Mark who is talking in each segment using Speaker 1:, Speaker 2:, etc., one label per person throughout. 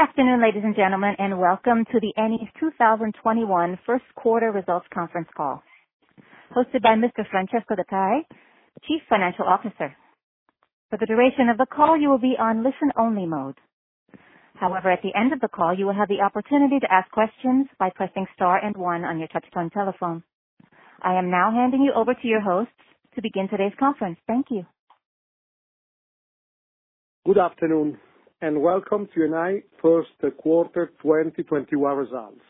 Speaker 1: Good afternoon, ladies and gentlemen, and welcome to the Eni's 2021 First Quarter Results Conference Call hosted by Mr. Francesco Gattei, Chief Financial Officer. For the duration of the call you will be on listen-only mode however at the end of the call you will have the opportunity to ask questions by pressing star and one on your touchtone telephone. I am now handing you over to your hosts to begin today's conference. Thank you.
Speaker 2: Good afternoon, welcome to Eni first quarter 2021 results.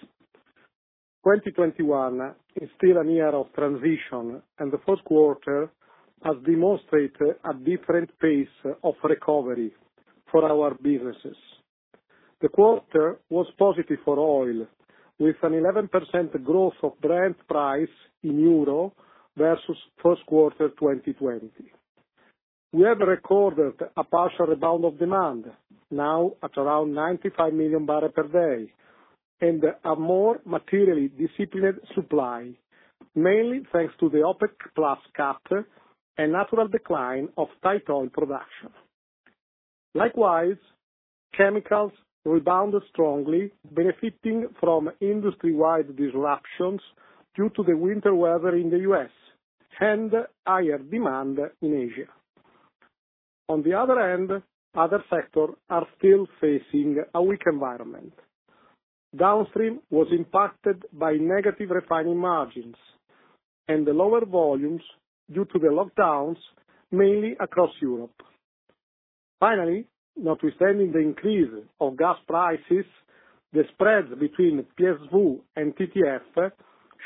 Speaker 2: 2021 is still a year of transition, the first quarter has demonstrated a different pace of recovery for our businesses. The quarter was positive for oil, with an 11% growth of Brent price in euro versus first quarter 2020. We have recorded a partial rebound of demand now at around 95 million barrel per day, and a more materially disciplined supply, mainly thanks to the OPEC+ cut, a natural decline of tight oil production. Likewise, chemicals rebounded strongly, benefiting from industry-wide disruptions due to the winter weather in the U.S. and higher demand in Asia. On the other hand, other factors are still facing a weak environment. Downstream was impacted by negative refining margins and the lower volumes due to the lockdowns, mainly across Europe. Finally, notwithstanding the increase of gas prices, the spread between PSV and TTF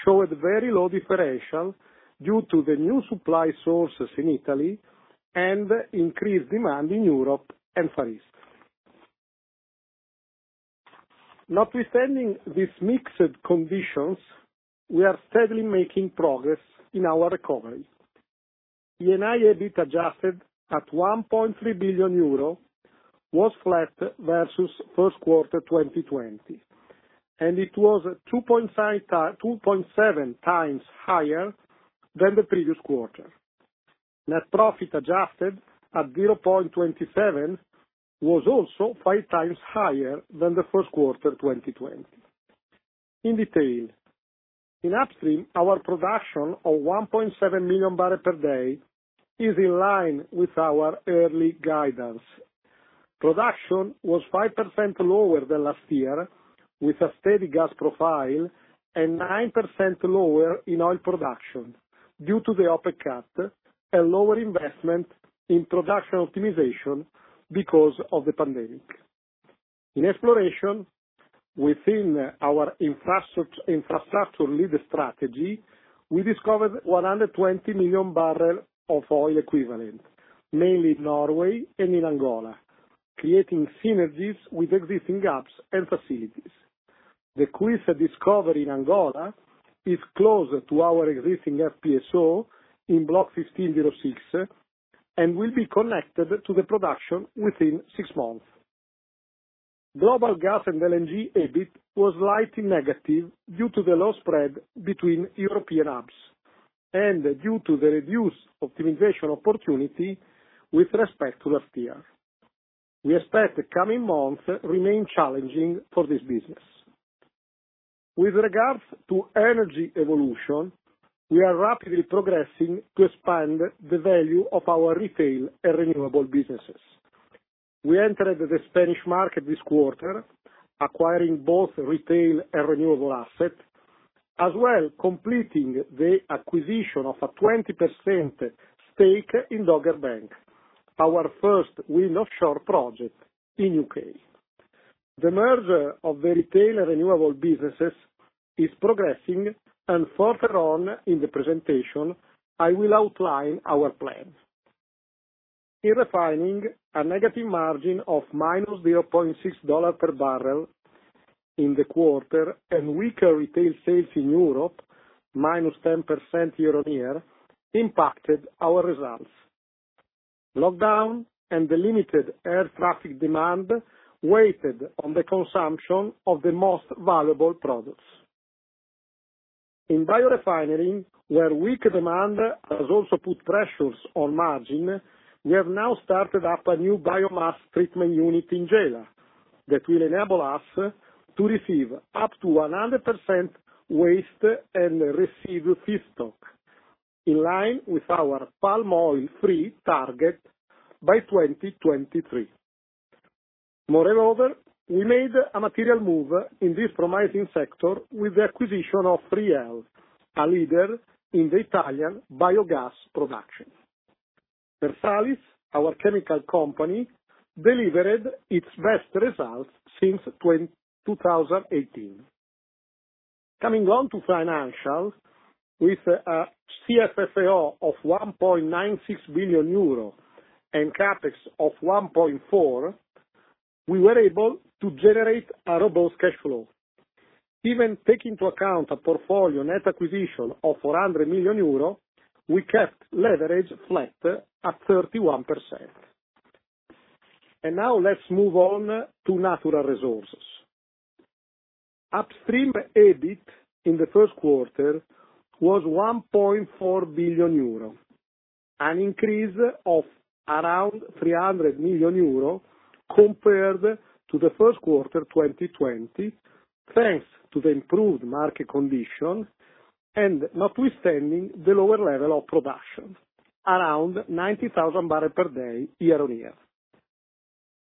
Speaker 2: showed very low differential due to the new supply sources in Italy and increased demand in Europe and Far East. Notwithstanding these mixed conditions, we are steadily making progress in our recovery. Eni EBIT adjusted at 1.3 billion euro, was flat versus first quarter 2020, and it was 2.7x higher than the previous quarter. Net profit adjusted at 0.27 billion was also 5x higher than the first quarter 2020. In detail, in upstream, our production of 1.7 million barrels per day is in line with our yearly guidance. Production was 5% lower than last year, with a steady gas profile and 9% lower in oil production due to the OPEC cut and lower investment in production optimization because of the pandemic. In exploration, within our infrastructure-led strategy, we discovered 120 million barrels of oil equivalent, mainly in Norway and in Angola, creating synergies with existing gas and facilities. The Cuica discovery in Angola is closer to our existing FPSO in Block 15/06 and will be connected to the production within six months. Global Gas and LNG EBIT was slightly negative due to the low spread between European hubs and due to the reduced optimization opportunity with respect to last year. We expect the coming months remain challenging for this business. With regards to Energy Evolution, we are rapidly progressing to expand the value of our retail and renewable businesses. We entered the Spanish market this quarter, acquiring both retail and renewable assets, as well completing the acquisition of a 20% stake in Dogger Bank, our first wind offshore project in U.K. The merger of the retail and renewable businesses is progressing, and further on in the presentation, I will outline our plans. In refining, a negative margin of -$0.6 per barrel in the quarter and weaker retail sales in Europe, -10% year-on-year impacted our results. Lockdown and the limited air traffic demand weighted on the consumption of the most valuable products. In biorefinery, where weak demand has also put pressures on margin, we have now started up a new Biomass Treatment Unit in Gela that will enable us to receive up to 100% waste and residue feedstock, in line with our palm oil-free target by 2023. We made a material move in this promising sector with the acquisition of FRI-EL, a leader in the Italian biogas production. Versalis, our chemical company, delivered its best results since 2018. Coming on to financials, with a CFFO of 1.96 billion euro and CapEx of 1.4 billion, we were able to generate a robust cash flow. Even take into account a portfolio net acquisition of 400 million euro, we kept leverage flat at 31%. Now let's move on to Natural Resources. Upstream EBIT in the first quarter was 1.4 billion euro, an increase of around 300 million euro compared to the first quarter 2020, thanks to the improved market conditions, and notwithstanding the lower level of production, around 90,000 barrels per day year-on-year.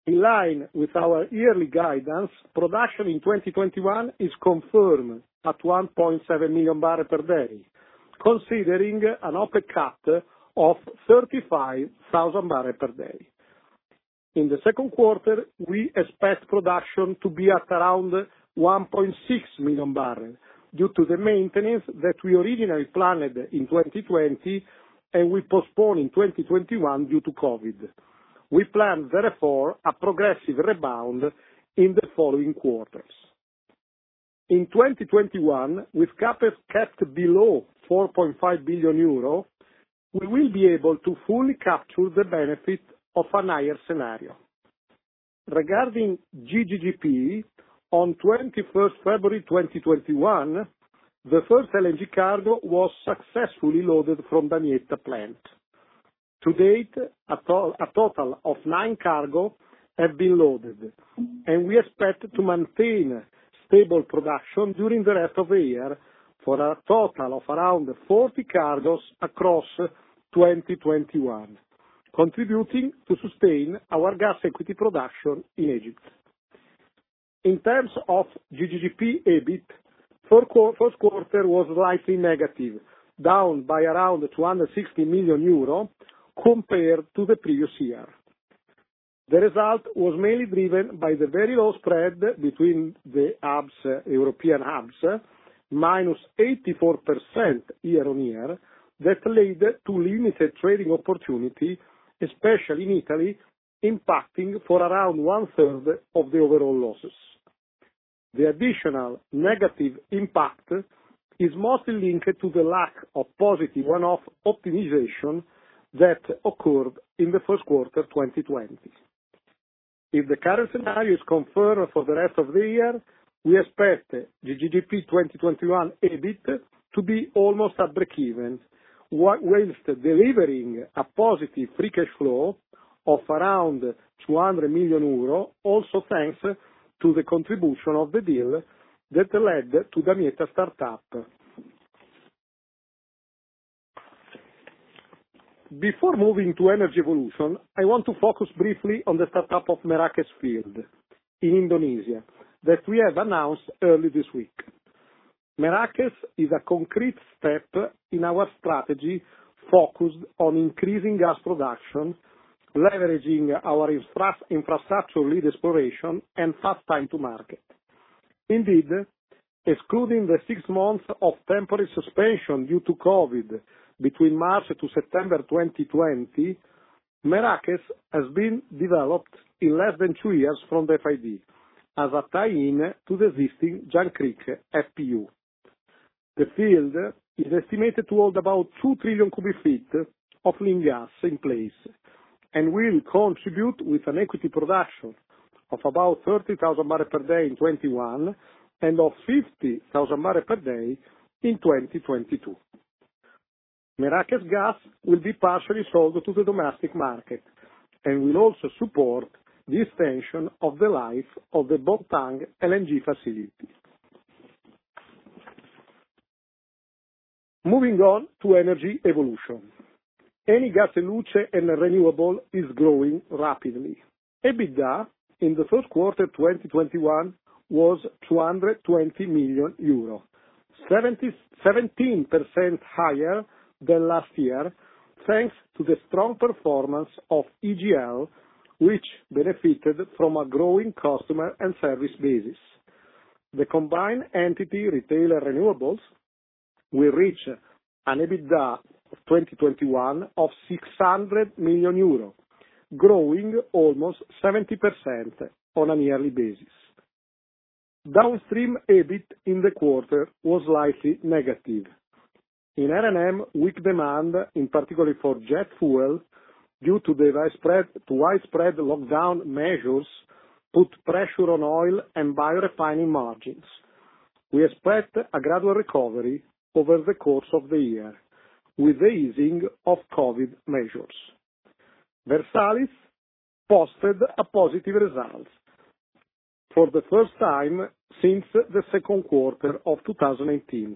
Speaker 2: In line with our yearly guidance, production in 2021 is confirmed at 1.7 million barrels per day, considering an OPEC cut of 35,000 barrels per day. In the second quarter, we expect production to be at around 1.6 million barrels due to the maintenance that we originally planned in 2020, and we postponed in 2021 due to COVID. We plan, therefore, a progressive rebound in the following quarters. In 2021, with CapEx kept below 4.5 billion euro, we will be able to fully capture the benefit of a higher scenario. Regarding GGP, on 21st February 2021, the first LNG cargo was successfully loaded from Damietta plant. To date, a total of nine cargos have been loaded, and we expect to maintain stable production during the rest of the year for a total of around 40 cargos across 2021, contributing to sustain our gas equity production in Egypt. In terms of GGP EBIT, first quarter was slightly negative, down by around 260 million euro compared to the previous year. The result was mainly driven by the very low spread between the European hubs, -84% year-on-year. That led to limited trading opportunity, especially in Italy, impacting for around one-third of the overall losses. The additional negative impact is mostly linked to the lack of positive one-off optimization that occurred in the first quarter 2020. If the current scenario is confirmed for the rest of the year, we expect the GGP 2021 EBIT to be almost at breakeven, whilst delivering a positive free cash flow of around 200 million euro, also thanks to the contribution of the deal that led to Damietta startup. Before moving to Energy Evolution, I want to focus briefly on the startup of Merakes field in Indonesia that we have announced early this week. Merakes is a concrete step in our strategy focused on increasing gas production, leveraging our infrastructure-led exploration, and fast time to market. Indeed, excluding the six months of temporary suspension due to COVID between March to September 2020, Merakes has been developed in less than two years from the FID as a tie-in to the existing Jangkrik FPU. The field is estimated to hold about 2 trillion cu ft of gas in place and will contribute with an equity production of about 30,000 barrels per day in 2021 and of 50,000 barrels per day in 2022. Merakes gas will be partially sold to the domestic market and will also support the extension of the life of the Bontang LNG facility. Moving on to Energy Evolution. Eni Gas e Luce and renewables is growing rapidly. EBITDA in the first quarter 2021 was 220 million euro, 17% higher than last year, thanks to the strong performance of EGL, which benefited from a growing customer and service basis. The combined entity retail and renewables will reach an EBITDA of 2021 of 600 million euro, growing almost 70% on a yearly basis. Downstream EBIT in the quarter was slightly negative. In R&M, weak demand, in particular for jet fuel, due to the widespread lockdown measures, put pressure on oil and biorefining margins. We expect a gradual recovery over the course of the year with the easing of COVID measures. Versalis posted a positive result for the first time since the second quarter of 2018,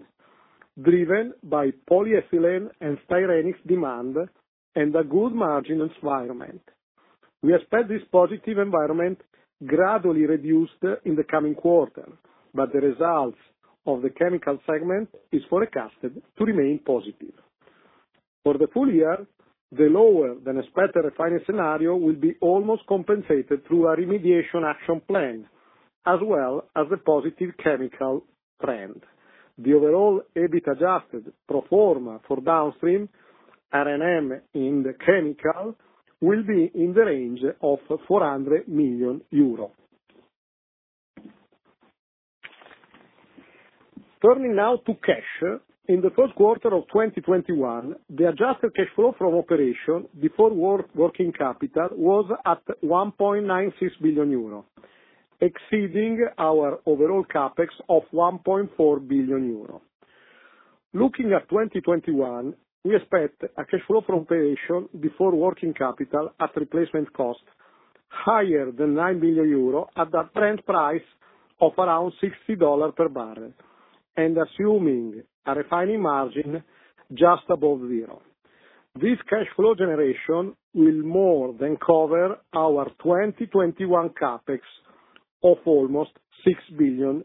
Speaker 2: driven by polyethylene and styrenics demand and a good margin environment. We expect this positive environment gradually reduced in the coming quarter, but the results of the chemical segment is forecasted to remain positive. For the full year, the lower than expected refining scenario will be almost compensated through a remediation action plan as well as the positive chemical trend. The overall EBIT adjusted pro forma for downstream, R&M in the chemical, will be in the range of 400 million euro. Turning now to cash. In the first quarter of 2021, the adjusted cash flow from operation before working capital was at 1.96 billion euro, exceeding our overall CapEx of 1.4 billion euro. Looking at 2021, we expect a cash flow from operation before working capital at replacement cost higher than 9 billion euro at the current price of around $60 per barrel, assuming a refining margin just above zero. This cash flow generation will more than cover our 2021 CapEx of almost EUR 6 billion.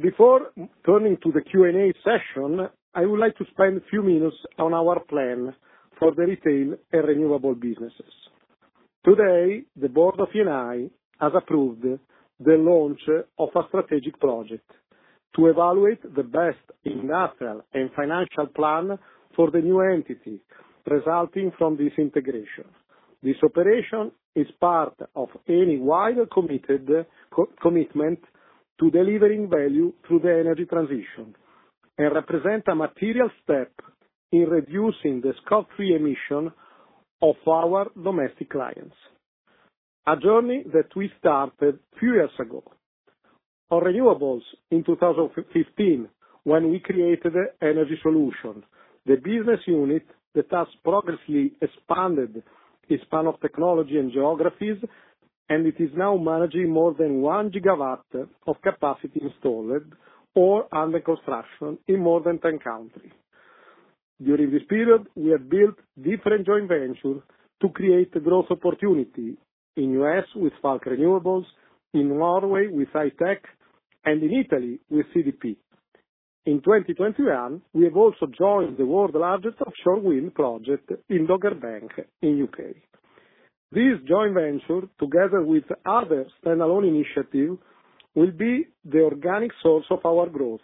Speaker 2: Before turning to the Q&A session, I would like to spend a few minutes on our plan for the retail and renewable businesses. Today, the board of Eni has approved the launch of a strategic project to evaluate the best industrial and financial plan for the new entity resulting from this integration. This operation is part of Eni's wider commitment to delivering value through the energy transition, and represent a material step in reducing the Scope 3 emissions of our domestic clients. A journey that we started a few years ago. On renewables, in 2015, when we created Energy Solutions, the business unit that has progressively expanded its span of technology and geographies, and it is now managing more than 1 GW of capacity installed or under construction in more than 10 countries. During this period, we have built different joint ventures to create growth opportunity in U.S. with Falck Renewables, in Norway with HitecVision, and in Italy with CDP. In 2021, we have also joined the world's largest offshore wind project in Dogger Bank in U.K. This joint venture, together with other standalone initiatives, will be the organic source of our growth.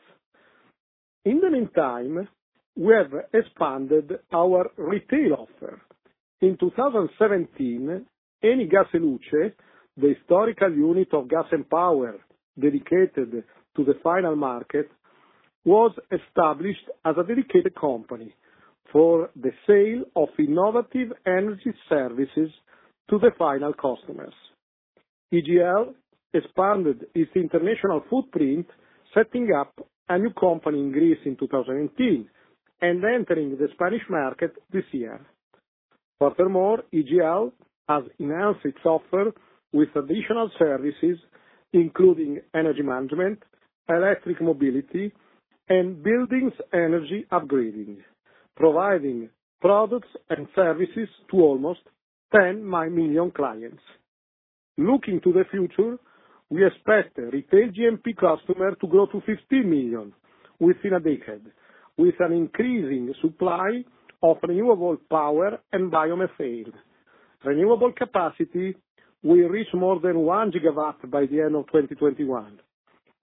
Speaker 2: In the meantime, we have expanded our retail offer. In 2017, Eni Gas e Luce, the historical unit of gas and power dedicated to the final market, was established as a dedicated company for the sale of innovative energy services to the final customers. EGL expanded its international footprint, setting up a new company in Greece in 2018 and entering the Spanish market this year. Furthermore, EGL has enhanced its offer with additional services, including energy management, electric mobility, and buildings energy upgrading, providing products and services to almost 10 million clients. Looking to the future, we expect retail G&P customer to grow to 15 million within a decade, with an increasing supply of renewable power and biomethane. Renewable capacity will reach more than 1 GW by the end of 2021,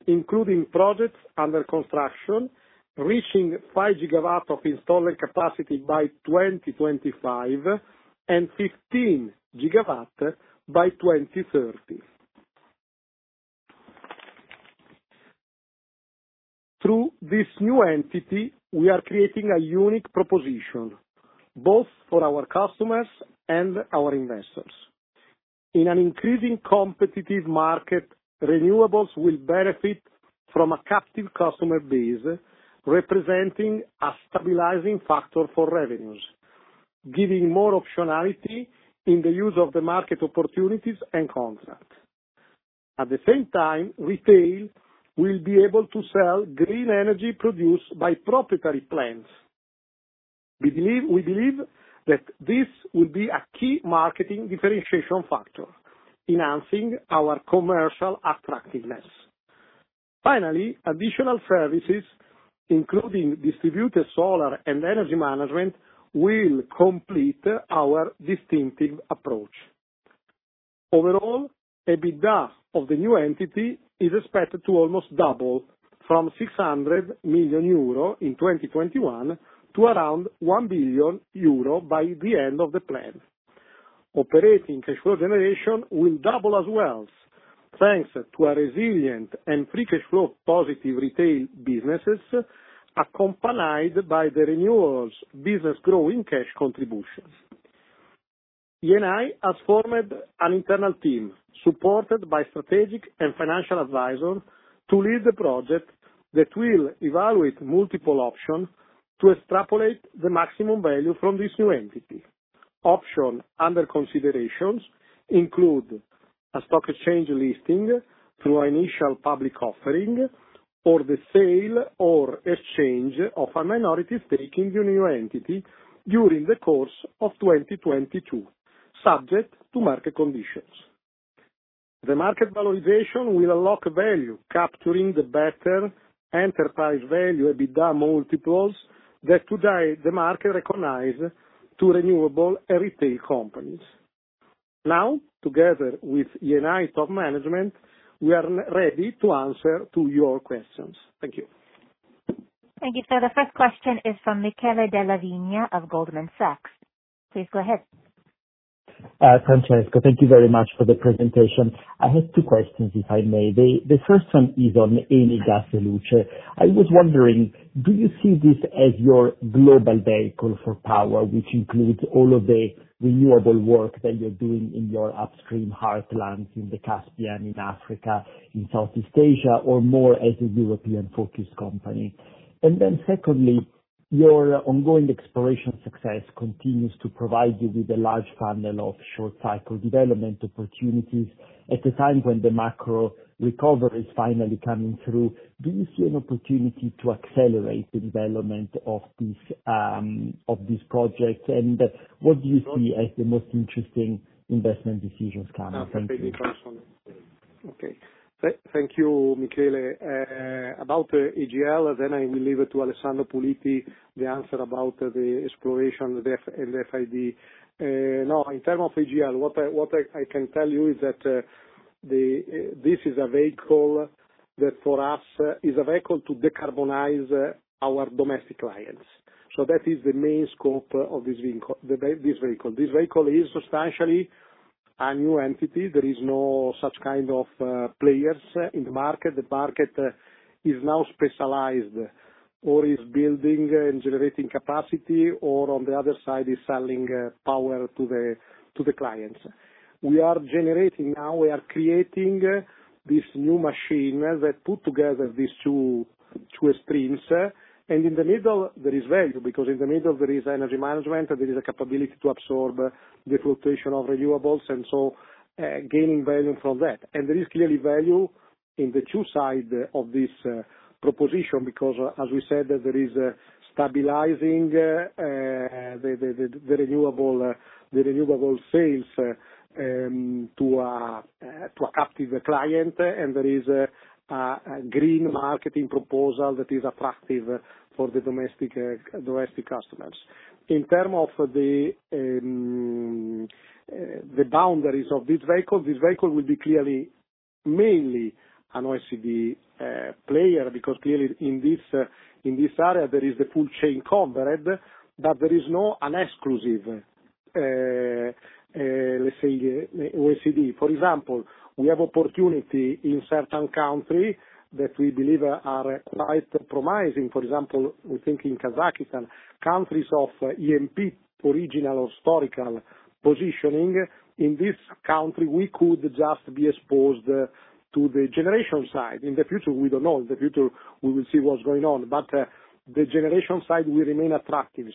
Speaker 2: including projects under construction, reaching 5 GW of installed capacity by 2025 and 15 GW by 2030. Through this new entity, we are creating a unique proposition, both for our customers and our investors. In an increasing competitive market, renewables will benefit from a captive customer base, representing a stabilizing factor for revenues, giving more optionality in the use of the market opportunities and contracts. At the same time, retail will be able to sell green energy produced by proprietary plants. We believe that this will be a key marketing differentiation factor, enhancing our commercial attractiveness. Finally, additional services, including distributed solar and energy management, will complete our distinctive approach. Overall, EBITDA of the new entity is expected to almost double from 600 million euro in 2021 to around 1 billion euro by the end of the plan. Operating cash flow generation will double as well, thanks to our resilient and free cash flow positive retail businesses, accompanied by the renewables business growing cash contributions. Eni has formed an internal team, supported by strategic and financial advisors, to lead the project that will evaluate multiple options to extrapolate the maximum value from this new entity. Options under considerations include a stock exchange listing through initial public offering or the sale or exchange of a minority stake in the new entity during the course of 2022, subject to market conditions. The market valuation will unlock value, capturing the better enterprise value EBITDA multiples that today the market recognize to renewable retail companies. Together with Eni top management, we are ready to answer to your questions. Thank you.
Speaker 1: Thank you, sir. The first question is from Michele Della Vigna of Goldman Sachs. Please go ahead.
Speaker 3: Francesco, thank you very much for the presentation. I have two questions, if I may. The first one is on Eni Gas e Luce. I was wondering, do you see this as your global vehicle for power, which includes all of the renewable work that you're doing in your upstream heartlands in the Caspian, in Africa, in Southeast Asia, or more as a European-focused company? Secondly, your ongoing exploration success continues to provide you with a large funnel of short cycle development opportunities at a time when the macro recovery is finally coming through. Do you see an opportunity to accelerate the development of these projects? What do you see as the most interesting investment decisions coming? Thank you.
Speaker 2: Thank you, Michele. About EGL, I will leave it to Alessandro Puliti, the answer about the exploration, the FID. In terms of EGL, what I can tell you is that this is a vehicle that for us is a vehicle to decarbonize our domestic clients. That is the main scope of this vehicle. This vehicle is substantially a new entity. There is no such kind of players in the market. The market is now specialized or is building and generating capacity, or on the other side, is selling power to the clients. We are creating this new machine that put together these two extremes. In the middle, there is value, because in the middle there is energy management, there is a capability to absorb the fluctuation of renewables, gaining value from that. There is clearly value in the two sides of this proposition because, as we said, there is stabilizing the renewable sales to attractive client. There is a green marketing proposal that is attractive for the domestic customers. In terms of the boundaries of this vehicle, this vehicle will be clearly mainly an OECD player, because clearly in this area, there is the full chain covered, but there is no exclusive, let's say, OECD. For example, we have opportunities in certain countries that we believe are quite promising. For example, we think in Kazakhstan, countries of Eni original historical positioning. In this country, we could just be exposed to the generation side. In the future, we don't know. In the future, we will see what's going on. The generation side will remain attractive.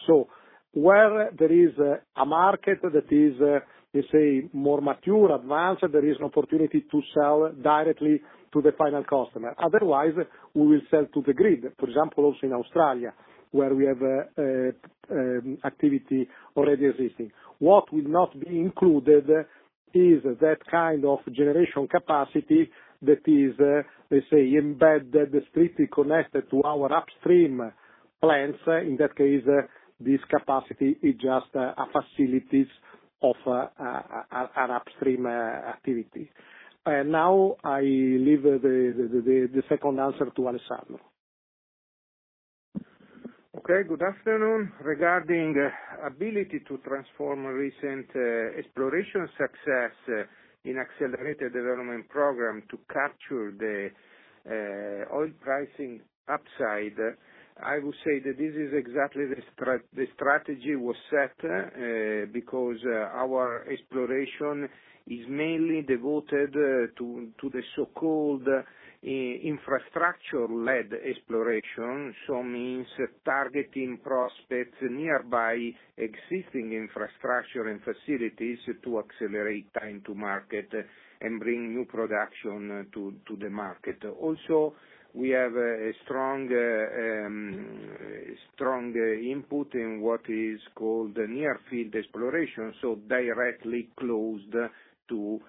Speaker 2: Where there is a market that is, let's say, more mature, advanced, there is an opportunity to sell directly to the final customer. Otherwise, we will sell to the grid. Also in Australia, where we have activity already existing. What will not be included is that kind of generation capacity that is, let's say, embedded that is strictly connected to our upstream plants. In that case, this capacity is just a facility of an upstream activity. I leave the second answer to Alessandro.
Speaker 4: Okay. Good afternoon. Regarding ability to transform recent exploration success in accelerated development program to capture the oil pricing upside, I would say that this is exactly the strategy was set because our exploration is mainly devoted to the so-called infrastructure-led exploration. Means targeting prospects nearby existing infrastructure and facilities to accelerate time to market and bring new production to the market. Also, we have a strong input in what is called the near field exploration, so directly close to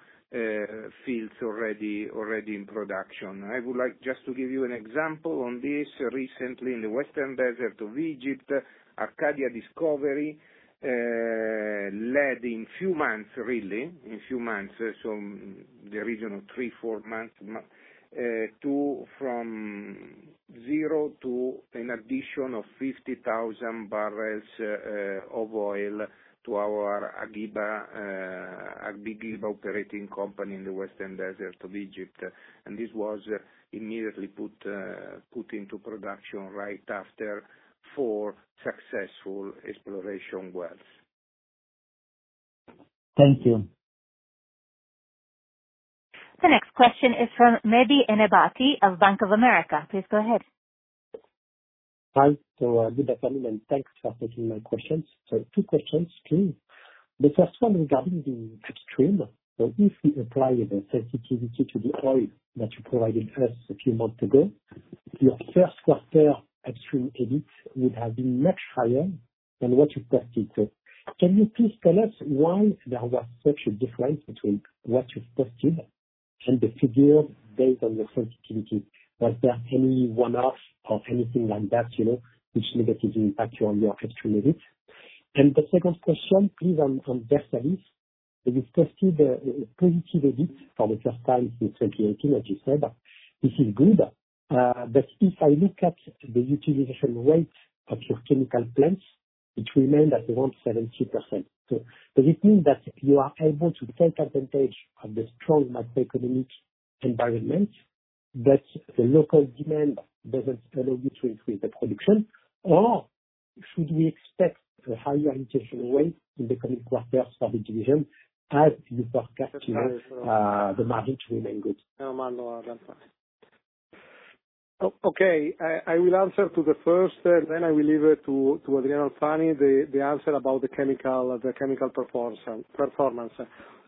Speaker 4: fields already in production. I would like just to give you an example on this. Recently, in the Western Desert of Egypt, Arcadia Discovery led in few months really, so the region of three, four months, from zero to an addition of 50,000 barrels of oil to our Agiba Petroleum Company in the Western Desert of Egypt. This was immediately put into production right after four successful exploration wells.
Speaker 3: Thank you.
Speaker 1: The next question is from Mehdi Ennebati of Bank of America. Please go ahead.
Speaker 5: Hi. Good afternoon, and thanks for taking my questions. Two questions, please. The first one regarding the upstream. If we apply the sensitivity to the oil that you provided us a few months ago, your first quarter upstream EBIT would have been much higher than what you posted. Can you please tell us why there was such a difference between what you posted and the figure based on your sensitivity? Was there any one-off or anything like that, which negatively impact on your upstream EBIT? The second question, please, on Versalis. You posted a positive EBIT for the first time since 2018, as you said. This is good. If I look at the utilization rates of your chemical plants, it remained at around 70%. Does it mean that you are able to take advantage of the strong macroeconomic environment, but the local demand doesn't allow you to increase the production? Or should we expect a higher utilization rate in the coming quarters for the division as you forecast the margin to remain good?
Speaker 2: Okay. I will answer to the first, then I will leave it to Adriano Alfani, the answer about the chemical performance.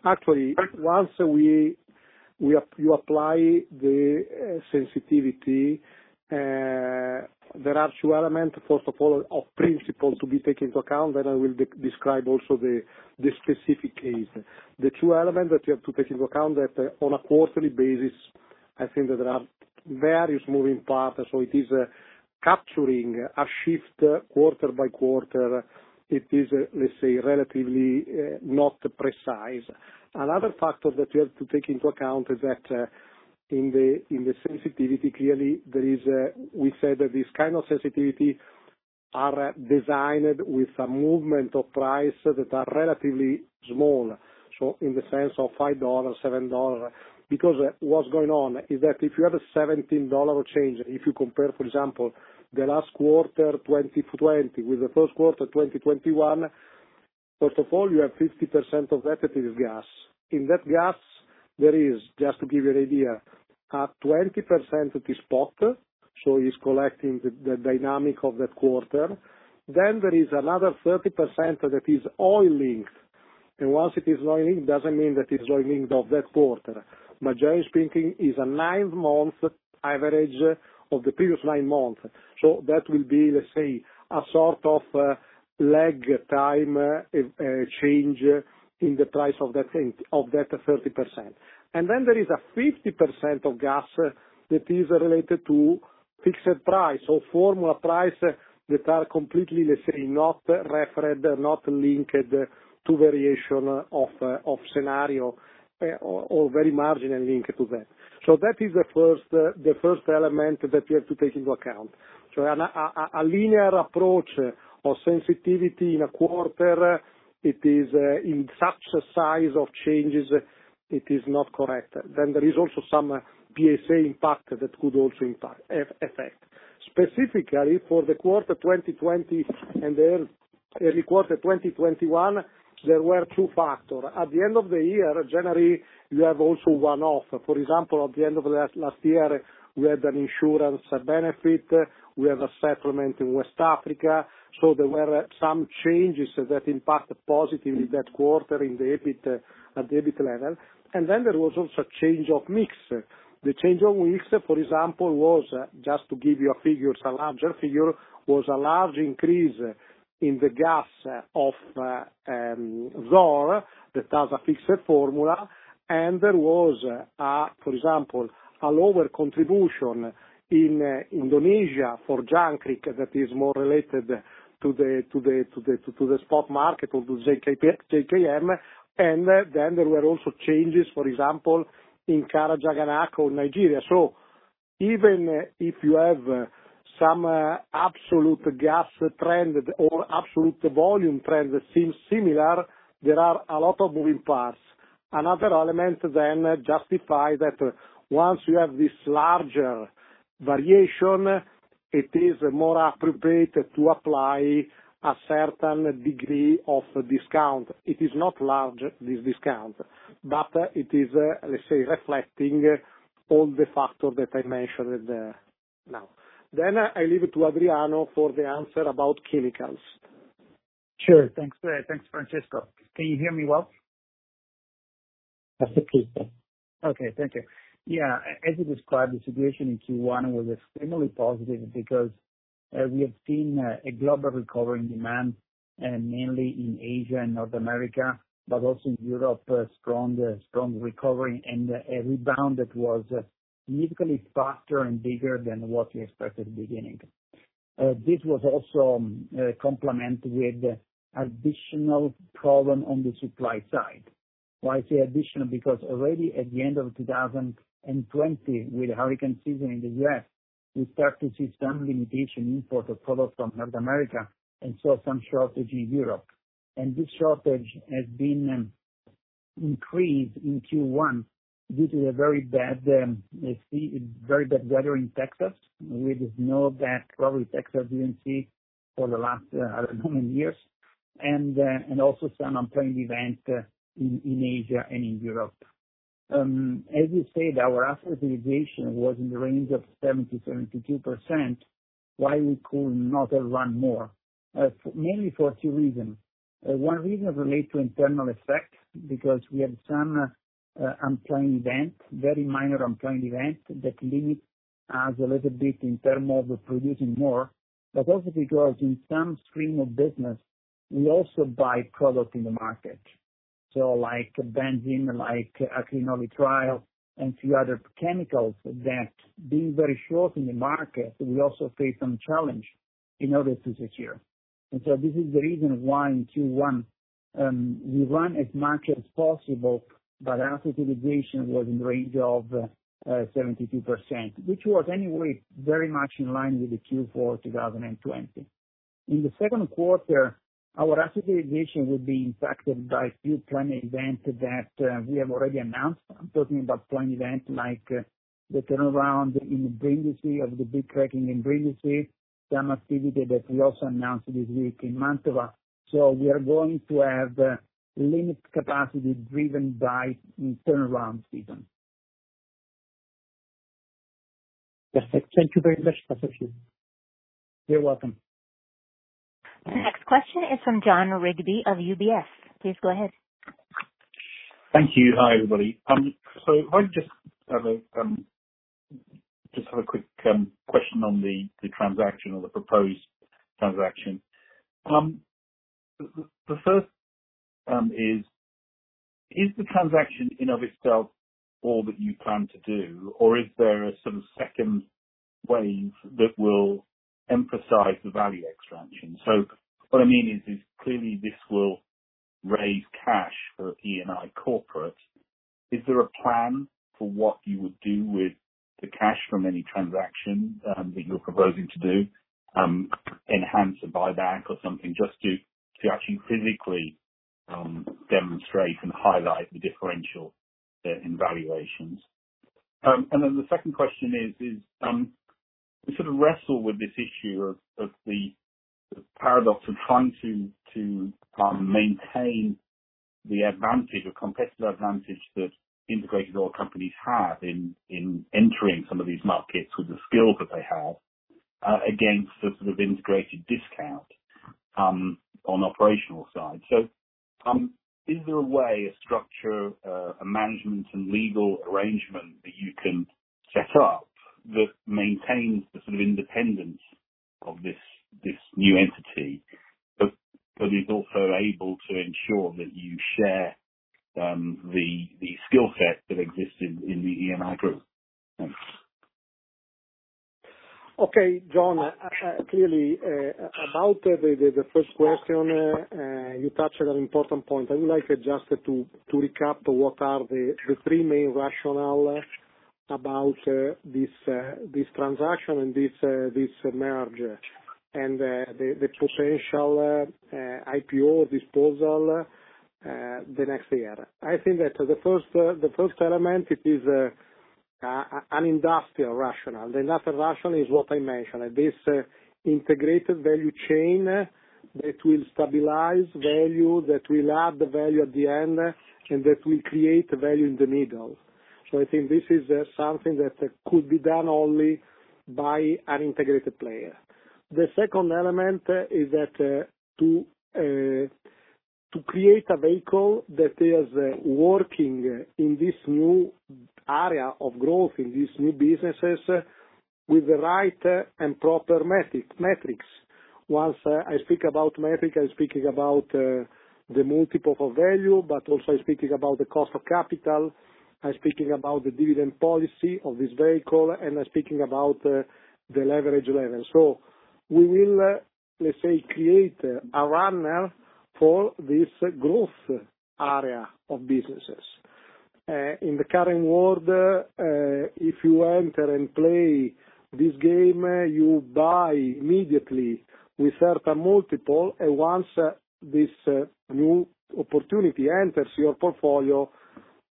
Speaker 2: Actually, once you apply the sensitivity, there are two elements, first of all, of principle to be taken into account, then I will describe also the specific case. The two elements that you have to take into account that on a quarterly basis, I think that there are various moving parts, so it is capturing a shift quarter by quarter. It is, let's say, relatively not precise. Another factor that you have to take into account is that in the sensitivity, clearly, we said that this kind of sensitivity are designed with a movement of price that are relatively small, so in the sense of $5, $7. What's going on is that if you have a EUR 17 change, if you compare, for example, the last quarter 2020 with the first quarter 2021, first of all, you have 50% of that is gas. In that gas, there is, just to give you an idea, a 20% that is spot, so it's collecting the dynamic of that quarter. There is another 30% that is oil linked. Once it is oil linked, it doesn't mean that it's oil linked of that quarter. Majority speaking, is a nine-month average of the previous nine months. That will be, let's say, a sort of lag time change in the price of that 30%. Then there is a 50% of gas that is related to fixed price or formula price that are completely, let's say, not referred, not linked to variation of scenario or very marginally linked to that. That is the first element that you have to take into account. A linear approach of sensitivity in a quarter, it is in such a size of changes, it is not correct. There is also some PSA impact that could also impact, have effect. Specifically, for the quarter 2020 and early quarter 2021, there were two factors. At the end of the year, generally, you have also one-off. For example, at the end of last year, we had an insurance benefit, we have a settlement in West Africa, there were some changes that impacted positively that quarter at the EBIT level. There was also change of mix. The change of mix, for example, was, just to give you a figure, it's a larger figure, was a large increase in the gas of Zohr, that has a fixed formula, and there was, for example, a lower contribution in Indonesia for Jangkrik that is more related to the spot market of the JKM, and there were also changes, for example, in Karachaganak or Nigeria. Even if you have some absolute gas trend or absolute volume trend that seems similar, there are a lot of moving parts. Another element then justify that once you have this larger variation, it is more appropriate to apply a certain degree of discount. It is not large, this discount, but it is, let's say, reflecting all the factors that I mentioned now. I leave it to Adriano for the answer about chemicals.
Speaker 6: Sure. Thanks, Francesco. Can you hear me well?
Speaker 5: Perfectly.
Speaker 6: Okay. Thank you. Yeah. As you described, the situation in Q1 was extremely positive because we have seen a global recovery in demand, mainly in Asia and North America, but also in Europe, a strong recovery and a rebound that was significantly faster and bigger than what we expected at the beginning. This was also complemented with additional problem on the supply side. Why I say additional, because already at the end of 2020, with the hurricane season in the U.S., we start to see some limitation import of products from North America, and so some shortage in Europe. This shortage has been increased in Q1 due to a very bad weather in Texas. We just know that probably Texas didn't see for the last, I don't know how many years. Also some unplanned event in Asia and in Europe. As you said, our asset realization was in the range of 70%-72%. Why we could not run more? Mainly for two reasons. One reason relate to internal effects because we have some unplanned event, very minor unplanned event that limit us a little bit in term of producing more. Also because in some stream of business, we also buy product in the market. Like benzene, like acrylonitrile, and few other chemicals that being very short in the market, we also face some challenge. In order to secure. This is the reason why in Q1, we run as much as possible, but asset utilization was in the range of 72%, which was anyway very much in line with the Q4 2020. In the second quarter, our asset utilization will be impacted by a few planned events that we have already announced. I'm talking about planned event like the turnaround in Brindisi, of the big cracking in Brindisi, some activity that we also announced this week in Mantova. We are going to have limited capacity driven by turnaround season.
Speaker 5: Perfect. Thank you very much, both of you.
Speaker 6: You're welcome.
Speaker 1: The next question is from Jon Rigby of UBS. Please go ahead.
Speaker 7: Thank you. Hi, everybody. If I just have a quick question on the transaction or the proposed transaction. The first is the transaction in of itself all that you plan to do, or is there some second wave that will emphasize the value extraction? What I mean is, clearly this will raise cash for Eni Corporate. Is there a plan for what you would do with the cash from any transaction that you're proposing to do, enhance a buyback or something, just to actually physically demonstrate and highlight the differential in valuations? The second question is, we sort of wrestle with this issue of the paradox of trying to maintain the advantage, or competitive advantage that integrated oil companies have in entering some of these markets with the skills that they have, against the sort of integrated discount on operational side. Is there a way, a structure, a management and legal arrangement that you can set up that maintains the sort of independence of this new entity, but is also able to ensure that you share the skill set that exists in the Eni group? Thanks.
Speaker 2: Okay. Jon, clearly, about the first question, you touched on an important point. I would like just to recap what are the three main rationale about this transaction and this merge and the potential IPO disposal the next year. I think that the first element, it is an industrial rationale. The industrial rationale is what I mentioned. This integrated value chain that will stabilize value, that will add the value at the end, and that will create value in the middle. I think this is something that could be done only by an integrated player. The second element is that to create a vehicle that is working in this new area of growth, in these new businesses, with the right and proper metrics. Once I speak about metric, I'm speaking about the multiple of value, but also speaking about the cost of capital. I'm speaking about the dividend policy of this vehicle, and I'm speaking about the leverage level. We will, let's say, create a runner for this growth area of businesses. In the current world, if you enter and play this game, you buy immediately with certain multiple, and once this new opportunity enters your portfolio,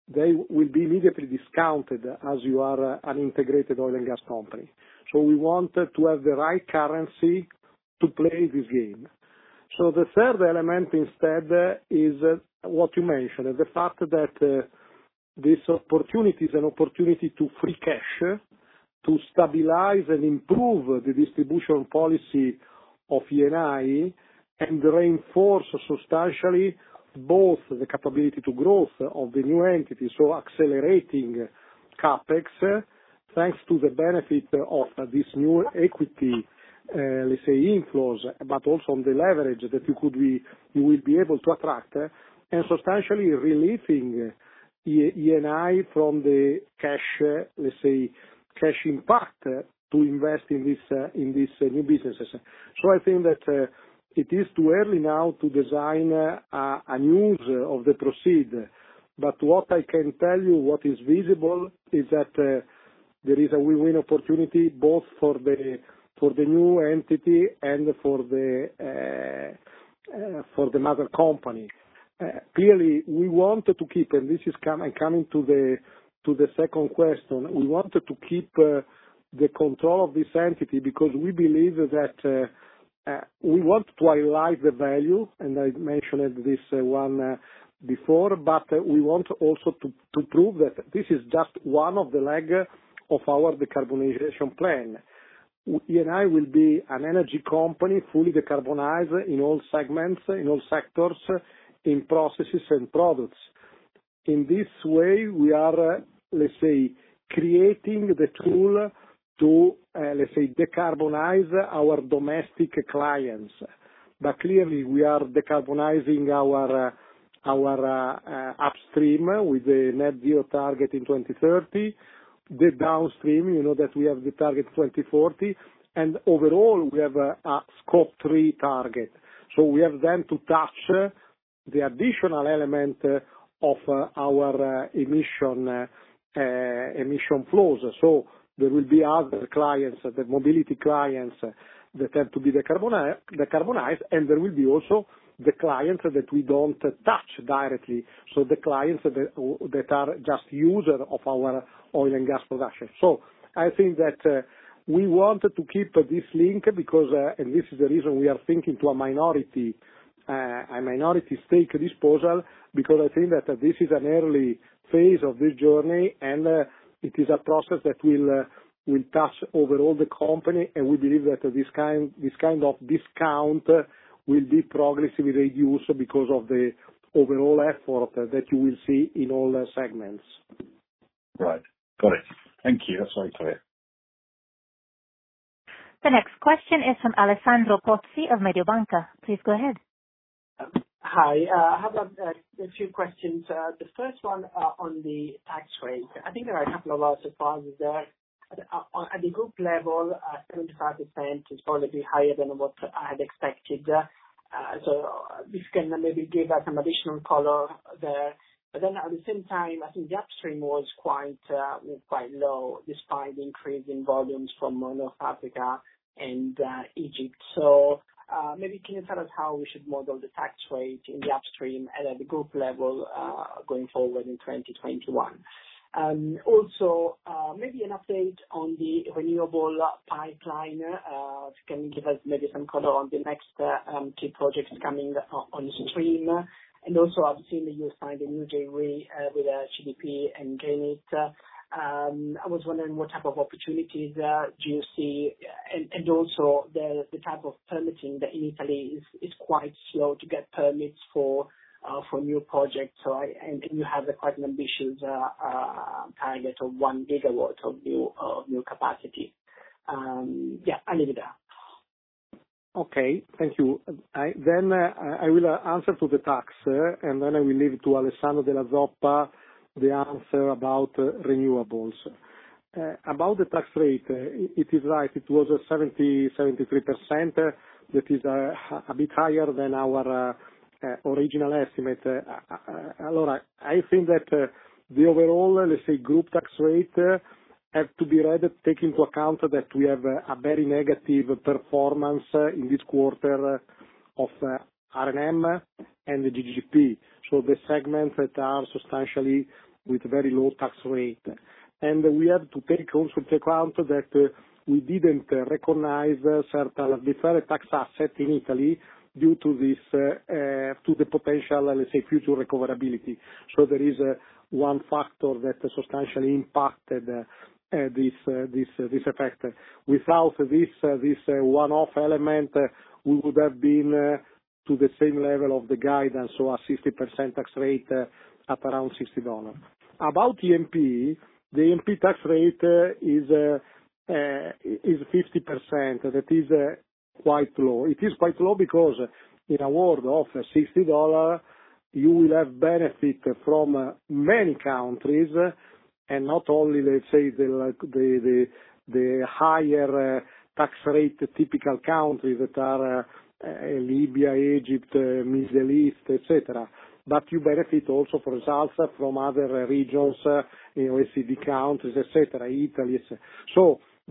Speaker 2: they will be immediately discounted as you are an integrated oil and gas company. We want to have the right currency to play this game. The third element instead is what you mentioned, the fact that this opportunity is an opportunity to free cash, to stabilize and improve the distribution policy of Eni, and reinforce substantially both the capability to growth of the new entity. Accelerating CapEx, thanks to the benefit of this new equity, let's say inflows, but also on the leverage that you will be able to attract, and substantially relieving Eni from the cash impact to invest in these new businesses. I think that it is too early now to design a use of the proceed. What I can tell you, what is visible, is that there is a win-win opportunity both for the new entity and for the mother company. This is coming to the second question. Clearly, we wanted to keep the control of this entity because we believe that we want to highlight the value, and I mentioned this one before, but we want also to prove that this is just one of the leg of our decarbonization plan. Eni will be an energy company, fully decarbonized in all segments, in all sectors, in processes and products. In this way, we are creating the tool to decarbonize our domestic clients. Clearly, we are decarbonizing our upstream with a net zero target in 2030. The downstream, you know that we have the target 2040, and overall, we have a Scope 3 target. We have then to touch the additional element of our emission flows. There will be other clients, the mobility clients, that have to be decarbonized, and there will be also the clients that we don't touch directly, so the clients that are just user of our oil and gas production. I think that we want to keep this link. This is the reason we are thinking to a minority stake disposal, because I think that this is an early phase of this journey. It is a process that will touch overall the company. We believe that this kind of discount will be progressively reduced because of the overall effort that you will see in all segments.
Speaker 7: Right. Got it. Thank you. That's very clear.
Speaker 1: The next question is from Alessandro Pozzi of Mediobanca. Please go ahead.
Speaker 8: Hi. I have a few questions. The first one on the tax rate. I think there are a couple of surprises there. At the group level, 75% is probably higher than what I had expected. If you can maybe give us some additional color there. At the same time, I think the upstream was quite low, despite the increase in volumes from North Africa and Egypt. Maybe can you tell us how we should model the tax rate in the upstream and at the group level, going forward in 2021? Maybe an update on the renewable pipeline. If you can give us maybe some color on the next two projects coming on stream. Obviously, you signed a new JV, with CDP and GreenIT. I was wondering what type of opportunities do you see, also the type of permitting that in Italy is quite slow to get permits for new projects. You have quite an ambitious target of 1 GW of new capacity. Yeah, I leave it there.
Speaker 2: Okay. Thank you. I will answer to the tax, and then I will leave it to Alessandro Della Zoppa, the answer about renewables. About the tax rate, it is right. It was at 70%, 73%. That is a bit higher than our original estimate. I think that the overall, let's say, group tax rate, have to be read, take into account that we have a very negative performance in this quarter of R&M and the GGP. The segments that are substantially with very low tax rate. We have to take also into account that we didn't recognize certain deferred tax asset in Italy due to the potential, let's say, future recoverability. There is one factor that substantially impacted this effect. Without this one-off element, we would have been to the same level of the guidance, so a 60% tax rate, up around $60. About E&P, the E&P tax rate is 50%. That is quite low. It is quite low because in a world of $60, you will have benefit from many countries, and not only, let's say, the higher tax rate typical countries that are Libya, Egypt, Middle East, etc. You benefit also, for example, from other regions, OECD countries, etc., Italy.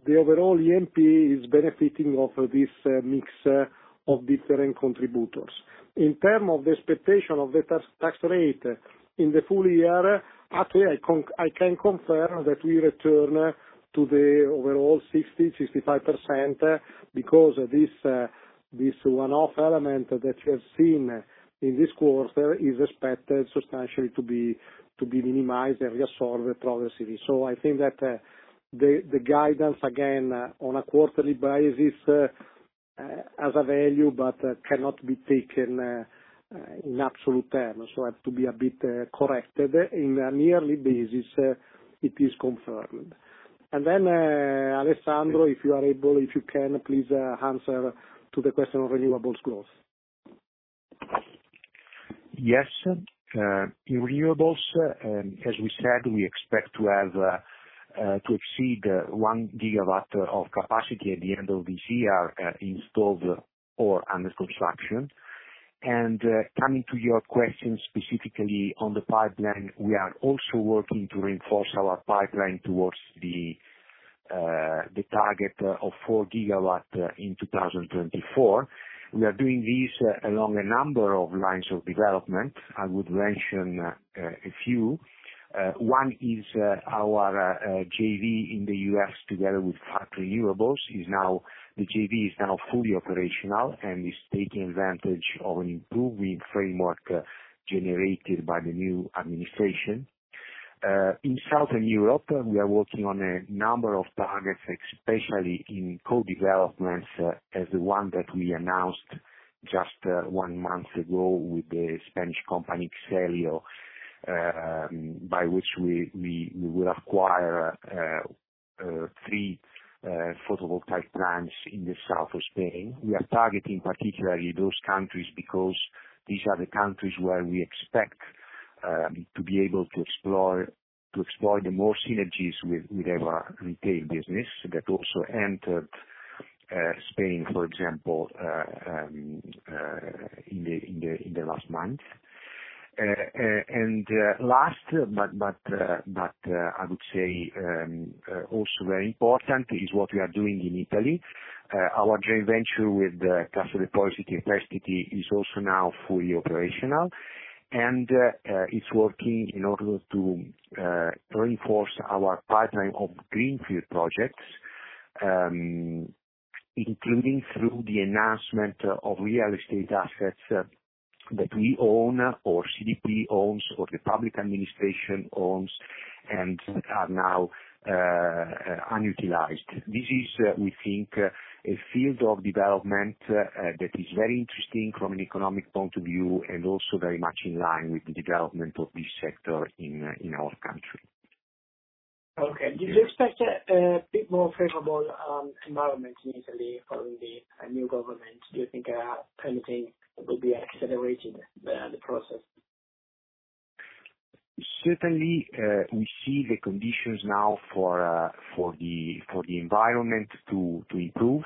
Speaker 2: The overall E&P is benefiting off this mix of different contributors. In terms of the expectation of the tax rate in the full year, actually, I can confirm that we return to the overall 60%, 65%, because this one-off element that you have seen in this quarter is expected substantially to be minimized and resolved progressively. I think that the guidance, again, on a quarterly basis, has a value, but cannot be taken in absolute terms, so have to be a bit corrected. In a yearly basis, it is confirmed. Alessandro, if you are able, if you can, please answer to the question of renewables growth.
Speaker 9: Yes. In renewables, as we said, we expect to exceed 1 GW of capacity at the end of this year, installed or under construction. Coming to your question specifically on the pipeline, we are also working to reinforce our pipeline towards the target of 4 GW in 2024. We are doing this along a number of lines of development. I would mention a few. One is our JV in the U.S., together with Falck Renewables. The JV is now fully operational and is taking advantage of an improving framework generated by the new administration. In Southern Europe, we are working on a number of targets, especially in co-developments, as the one that we announced just one month ago with the Spanish company, X-ELIO, by which we will acquire three photovoltaic plants in the south of Spain. We are targeting particularly those countries because these are the countries where we expect to be able to explore the most synergies with our retail business that also entered Spain, for example, in the last month. Last, but I would say, also very important is what we are doing in Italy. Our joint venture with Cassa Depositi e Prestiti is also now fully operational, and it's working in order to reinforce our pipeline of greenfield projects, including through the enhancement of real estate assets that we own, or CDP owns, or the public administration owns, and are now unutilized. This is, we think, a field of development that is very interesting from an economic point of view, and also very much in line with the development of this sector in our country.
Speaker 8: Okay. Do you expect a bit more favorable environment in Italy from the new government? Do you think permitting will be accelerating the process?
Speaker 9: Certainly, we see the conditions now for the environment to improve,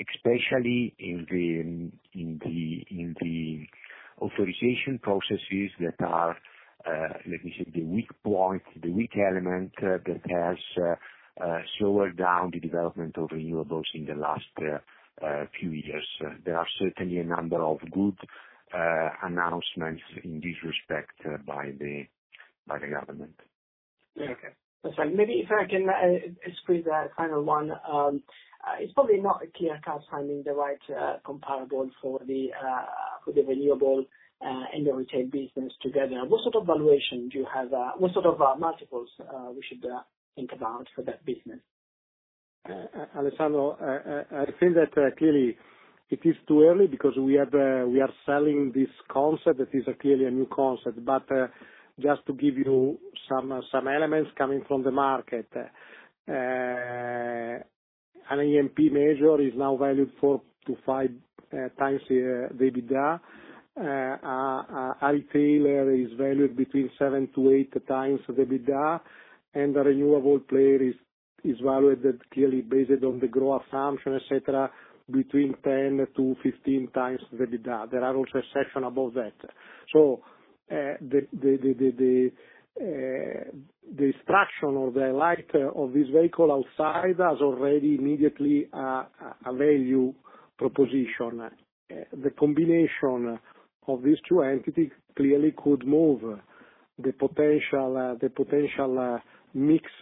Speaker 9: especially in the authorization processes that are, let me say, the weak point, the weak element that has slowed down the development of renewables in the last few years. There are certainly a number of good announcements in this respect by the government.
Speaker 8: Okay. Maybe if I can squeeze a final one. It's probably not a clear-cut finding the right comparable for the renewable and the retail business together. What sort of valuation do you have? What sort of multiples we should think about for that business?
Speaker 2: Alessandro, I think that clearly it is too early because we are selling this concept, that is clearly a new concept. Just to give you some elements coming from the market. An E&P major is now valued 4x-5x the EBITDA. A retailer is valued between 7x-8x the EBITDA, and the renewable player is valued clearly based on the growth assumption, etc., between 10x-15x the EBITDA. There are also a section above that. The structure or the light of this vehicle outside has already immediately a value proposition. The combination of these two entities clearly could move the potential mixed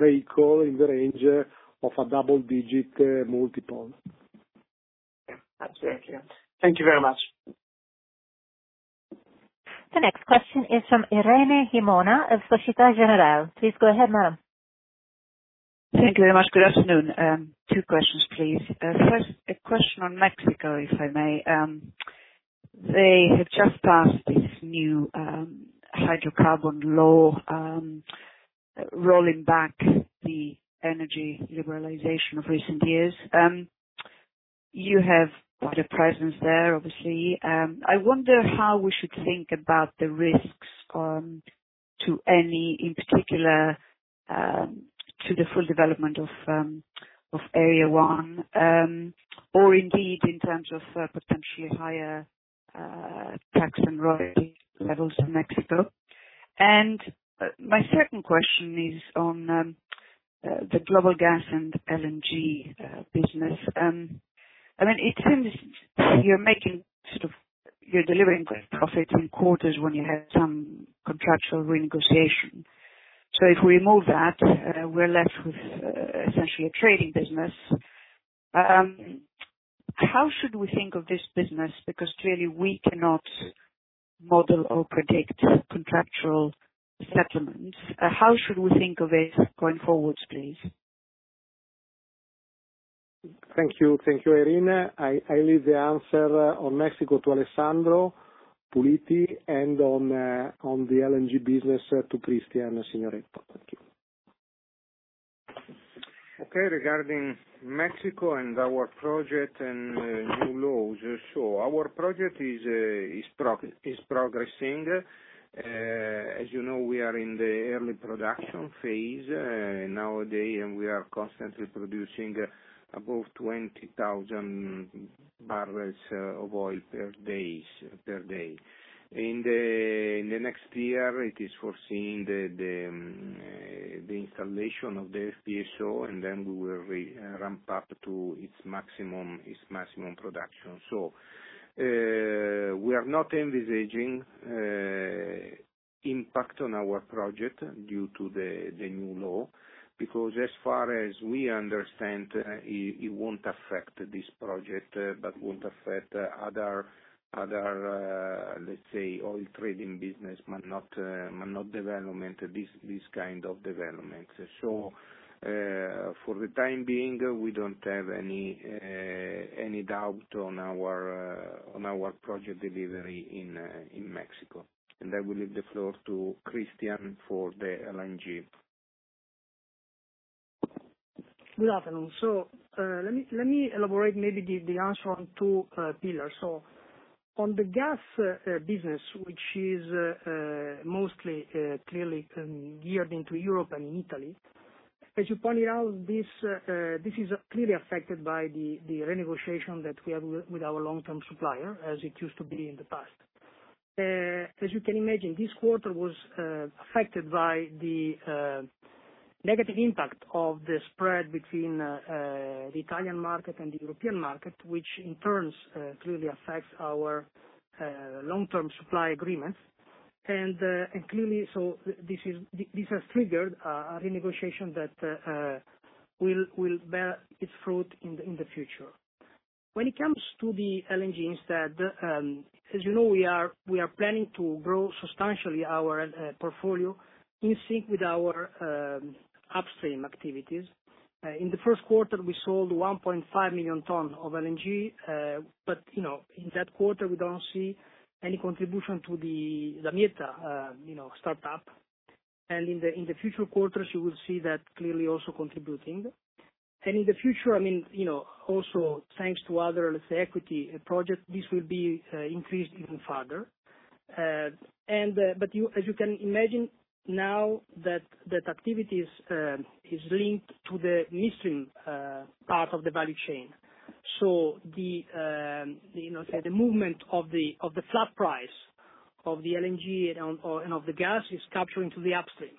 Speaker 2: vehicle in the range of a double-digit multiple.
Speaker 8: Absolutely. Thank you very much.
Speaker 1: The next question is from Irene Himona of Societe Generale. Please go ahead, ma'am.
Speaker 10: Thank you very much. Good afternoon. Two questions, please. First, a question on Mexico, if I may. They have just passed this new hydrocarbon law, rolling back the energy liberalization of recent years. You have quite a presence there, obviously. I wonder how we should think about the risks to Eni, in particular, to the full development of Area 1, or indeed in terms of potentially higher tax and royalty levels for Mexico. My second question is on the Global Gas and LNG business. It seems you're delivering great profits in quarters when you have some contractual renegotiation. If we remove that, we're left with essentially a trading business. How should we think of this business? Clearly we cannot model or predict contractual settlements. How should we think of it going forwards, please?
Speaker 2: Thank you, Irene. I leave the answer on Mexico to Alessandro Puliti and on the LNG business to Cristian Signoretto. Thank you.
Speaker 4: Okay. Regarding Mexico and our project and new laws. Our project is progressing. As you know, we are in the early production phase nowadays, and we are constantly producing above 20,000 barrels of oil per day. In the next year, it is foreseen the installation of the FPSO, and then we will re-ramp up to its maximum production. We are not envisaging impact on our project due to the new law, because as far as we understand, it won't affect this project, but won't affect other, let's say, oil trading business, but not development, this kind of development. For the time being, we don't have any doubt on our project delivery in Mexico. I will leave the floor to Cristian for the LNG.
Speaker 11: Good afternoon. Let me elaborate maybe the answer on two pillars. On the gas business, which is mostly clearly geared into Europe and Italy, as you pointed out, this is clearly affected by the renegotiation that we have with our long-term supplier, as it used to be in the past. As you can imagine, this quarter was affected by the negative impact of the spread between the Italian market and the European market, which in turn, clearly affects our long-term supply agreements. Clearly, this has triggered a renegotiation that will bear its fruit in the future. When it comes to the LNG instead, as you know, we are planning to grow substantially our portfolio in sync with our upstream activities. In the first quarter, we sold 1.5 million ton of LNG. In that quarter, we don't see any contribution to the Damietta startup. In the future quarters, you will see that clearly also contributing. In the future, also, thanks to other, let's say, equity projects, this will be increased even further. As you can imagine now that that activity is linked to the midstream part of the value chain. The movement of the flat price of the LNG and of the gas is capturing to the upstream.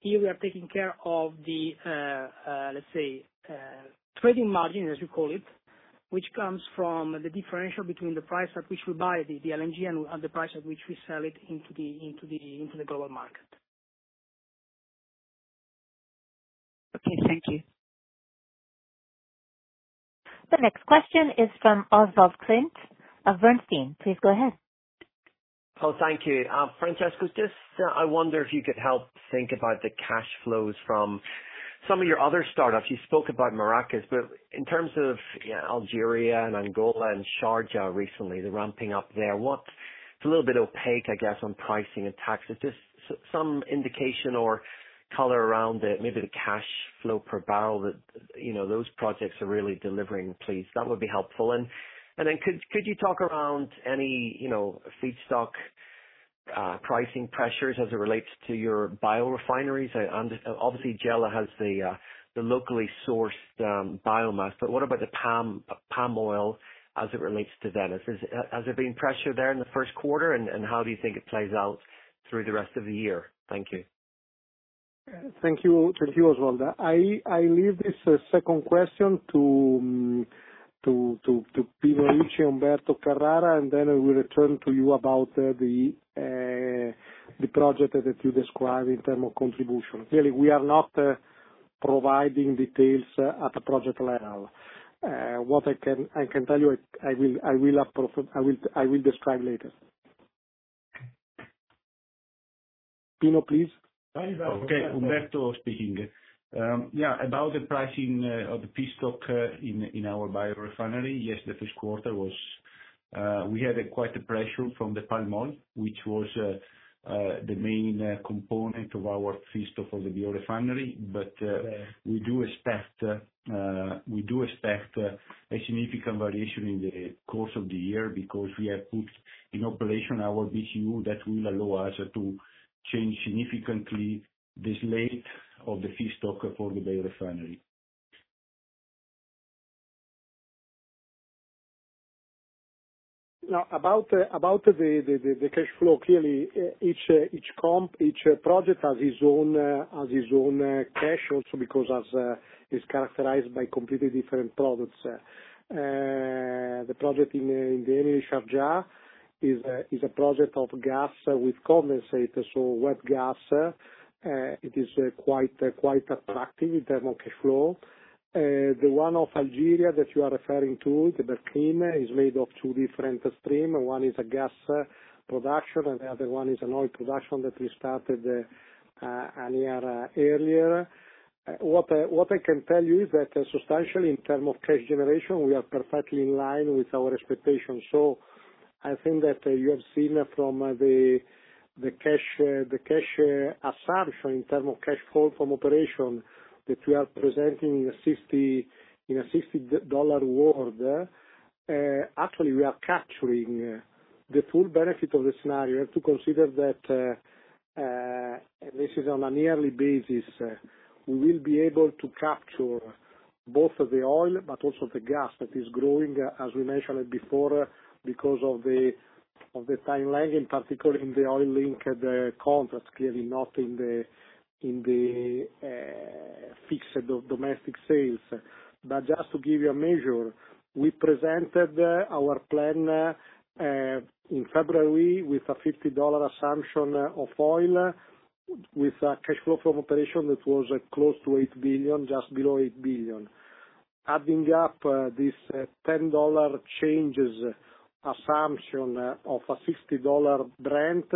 Speaker 11: Here, we are taking care of the, let's say, trading margin, as you call it, which comes from the differential between the price at which we buy the LNG and the price at which we sell it into the global market.
Speaker 10: Okay, thank you.
Speaker 1: The next question is from Oswald Clint of Bernstein. Please go ahead.
Speaker 12: Oh, thank you. Francesco, I wonder if you could help think about the cash flows from some of your other startups. You spoke about Merakes, but in terms of Algeria and Angola and Sharjah recently, the ramping up there. It's a little bit opaque, I guess, on pricing and taxes. Just some indication or color around maybe the cash flow per barrel that those projects are really delivering, please. That would be helpful. Could you talk around any feedstock pricing pressures as it relates to your biorefineries? Obviously, Gela has the locally sourced biomass, but what about the palm oil as it relates to Venice? Has there been pressure there in the first quarter, and how do you think it plays out through the rest of the year? Thank you.
Speaker 2: Thank you, Oswald. I leave this second question to Pino Ricci and Umberto Carrara, and then I will return to you about the project that you described in terms of contribution. Clearly, we are not providing details at a project level. What I can tell you, I will describe later. Pino, please.
Speaker 13: Okay. Umberto speaking. About the pricing of the feedstock in our biorefinery, yes, the first quarter we had quite a pressure from the palm oil, which was the main component of our feedstock for the biorefinery. We do expect a significant variation in the course of the year because we have put in operation our BTU that will allow us to change significantly the slate of the feedstock for the biorefinery.
Speaker 2: About the cash flow, clearly, each project has its own cash also because it is characterized by completely different products. The project in the Eni Sharjah is a project of gas with condensate, so wet gas. It is quite attractive in terms of cash flow. The one of Algeria that you are referring to, the Berkine, is made of two different streams. One is a gas production and the other one is an oil production that we started a year earlier. What I can tell you is that substantially in terms of cash generation, we are perfectly in line with our expectations. I think that you have seen from the cash assumption in terms of cash flow from operations that we are presenting in a $60 world. Actually, we are capturing the full benefit of the scenario. You have to consider that, and this is on a yearly basis, we will be able to capture both the oil, but also the gas that is growing, as we mentioned before, because of the time lag, in particular in the oil-linked contracts, clearly not in the fixed domestic sales. Just to give you a measure, we presented our plan in February with a $50 assumption of oil, with a cash flow from operation that was close to 8 billion, just below 8 billion. Adding up these $10 changes assumption of a $60 Brent,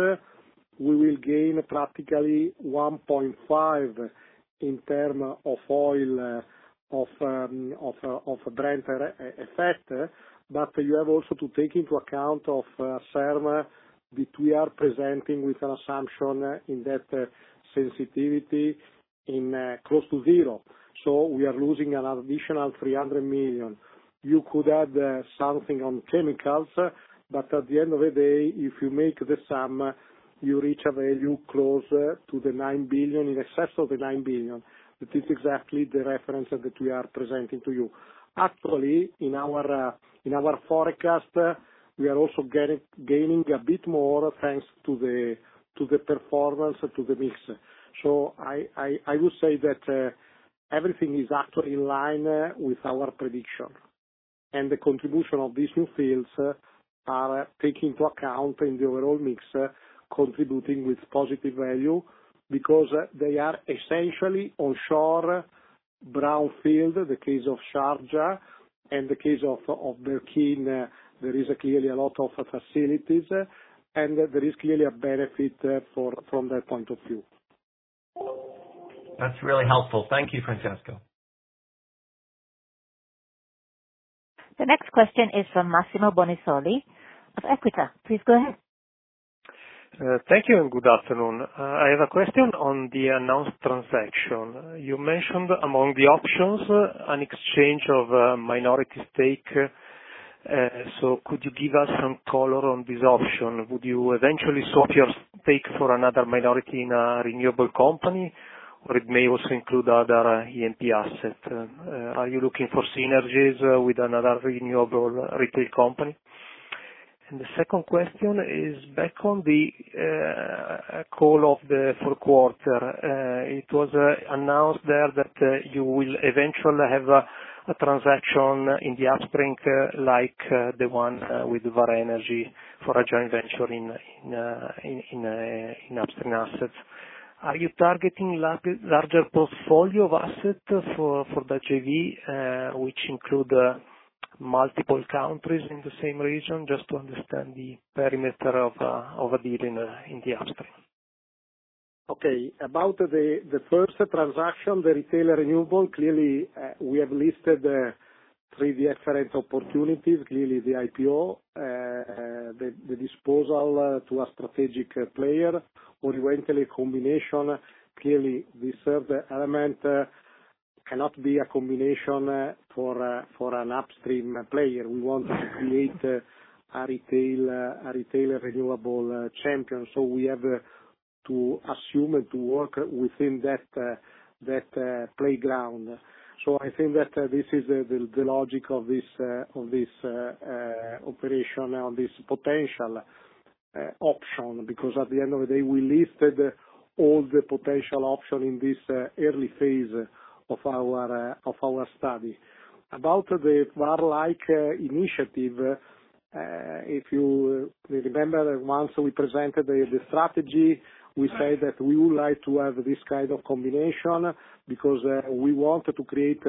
Speaker 2: we will gain practically 1.5 billion in term of oil of a Brent effect. You have also to take into account of SERM that we are presenting with an assumption in that sensitivity in close to zero. We are losing an additional 300 million. You could add something on chemicals, but at the end of the day, if you make the sum, you reach a value closer to 9 billion, in excess of 9 billion. That is exactly the reference that we are presenting to you. Actually, in our forecast, we are also gaining a bit more thanks to the performance, to the mix. I would say that everything is actually in line with our prediction, and the contribution of these new fields are taking into account in the overall mix, contributing with positive value because they are essentially onshore brownfield, the case of Sharjah, and the case of Berkine, there is clearly a lot of facilities, and there is clearly a benefit from that point of view.
Speaker 12: That's really helpful. Thank you, Francesco.
Speaker 1: The next question is from Massimo Bonisoli of Equita. Please go ahead.
Speaker 14: Thank you, and good afternoon. I have a question on the announced transaction. You mentioned among the options an exchange of a minority stake. Could you give us some color on this option? Would you eventually swap your stake for another minority in a renewable company? It may also include other Eni asset. Are you looking for synergies with another renewable retail company? The second question is back on the call of the fourth quarter. It was announced there that you will eventually have a transaction in the upstream, like the one with Vår Energi for a joint venture in upstream assets. Are you targeting larger portfolio of assets for the JV, which include multiple countries in the same region? Just to understand the perimeter of a deal in the upstream.
Speaker 2: Okay. About the first transaction, the retail renewable, clearly, we have listed three different opportunities. The IPO, the disposal to a strategic player, or eventually combination. The third element cannot be a combination for an upstream player. We want to create a retail renewable champion. We have to assume and to work within that playground. I think that this is the logic of this operation on this potential option, because at the end of the day, we listed all the potential option in this early phase of our study. About the Vår-like initiative, if you remember, once we presented the strategy, we said that we would like to have this kind of combination because we want to create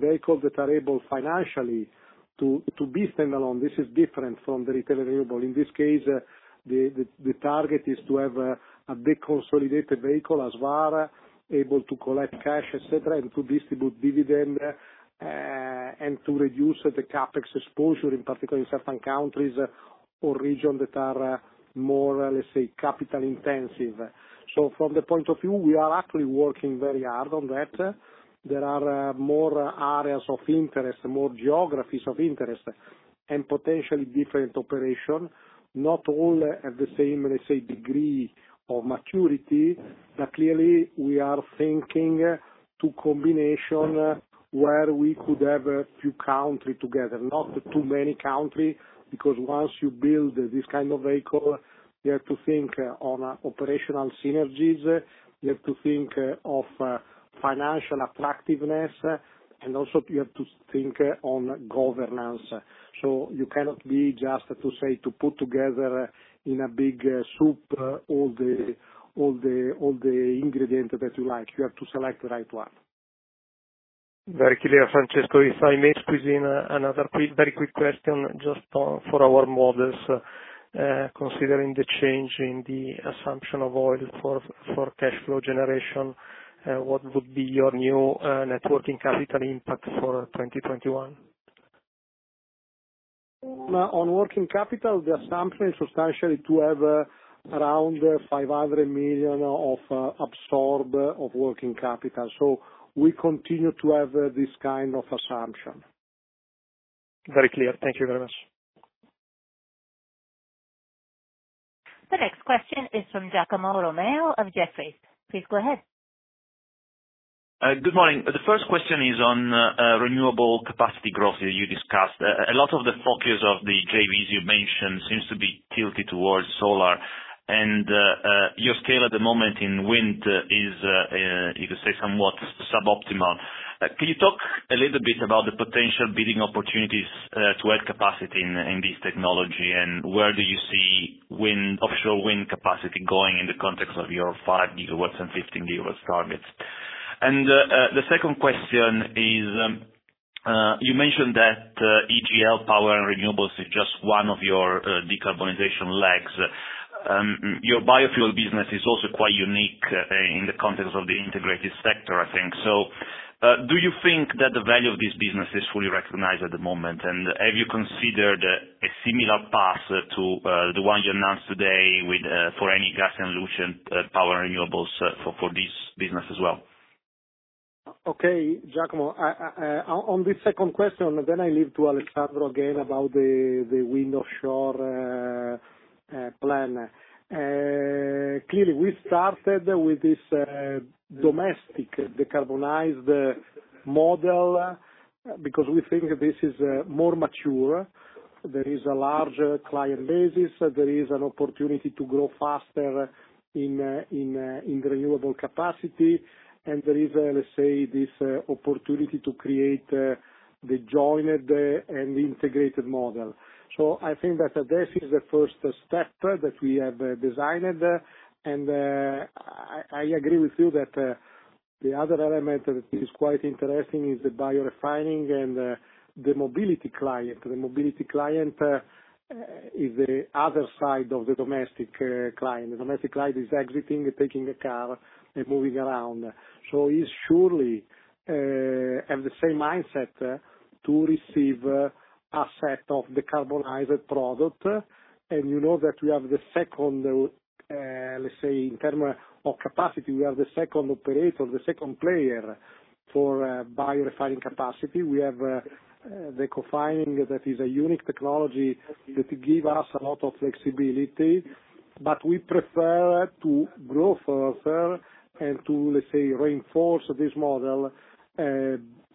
Speaker 2: vehicles that are able financially to be standalone. This is different from the retail renewable. In this case, the target is to have a big consolidated vehicle as Vår, able to collect cash, etc., and to distribute dividend, and to reduce the CapEx exposure, in particular in certain countries or regions that are more, let's say, capital intensive. From the point of view, we are actually working very hard on that. There are more areas of interest, more geographies of interest, and potentially different operation. Not all have the same, let's say, degree of maturity. Clearly we are thinking to combination where we could have a few country together, not too many country, because once you build this kind of vehicle, you have to think on operational synergies. You have to think of financial attractiveness, and also you have to think on governance. You cannot be just to say, to put together in a big soup all the ingredient that you like. You have to select the right one.
Speaker 14: Very clear, Francesco. If I may squeeze in another very quick question, just for our models, considering the change in the assumption of oil for cash flow generation, what would be your new net working capital impact for 2021?
Speaker 2: On working capital, the assumption is substantially to have around 500 million of absorb of working capital. We continue to have this kind of assumption.
Speaker 14: Very clear. Thank you very much.
Speaker 1: The next question is from Giacomo Romeo of Jefferies. Please go ahead.
Speaker 15: Good morning. The first question is on renewable capacity growth you discussed. A lot of the focus of the JVs you mentioned seems to be tilted towards solar, and your scale at the moment in wind is, you could say somewhat suboptimal. Can you talk a little bit about the potential bidding opportunities to add capacity in this technology, and where do you see offshore wind capacity going in the context of your 5 GW and 15 GW targets? The second question is, you mentioned that EGL Power and Renewables is just one of your decarbonization legs. Your biofuel business is also quite unique in the context of the integrated sector, I think. Do you think that the value of this business is fully recognized at the moment? Have you considered a similar path to the one you announced today for Eni Gas e Luce, for this business as well?
Speaker 2: Okay, Giacomo. On this second question, I leave to Alessandro again about the wind offshore plan. Clearly, we started with this domestic decarbonized model because we think this is more mature. There is a larger client basis, there is an opportunity to grow faster in renewable capacity, there is, let's say, this opportunity to create the joint and integrated model. I think that this is the first step that we have designed. I agree with you that the other element that is quite interesting is the biorefining and the mobility client. The mobility client is the other side of the domestic client. The domestic client is exiting, taking a car, and moving around. He's surely have the same mindset to receive a set of decarbonized product. You know that we have the second, let's say, in term of capacity, we are the second operator, the second player for biorefining capacity. We have the Ecofining that is a unique technology that give us a lot of flexibility. We prefer to grow further and to, let's say, reinforce this model,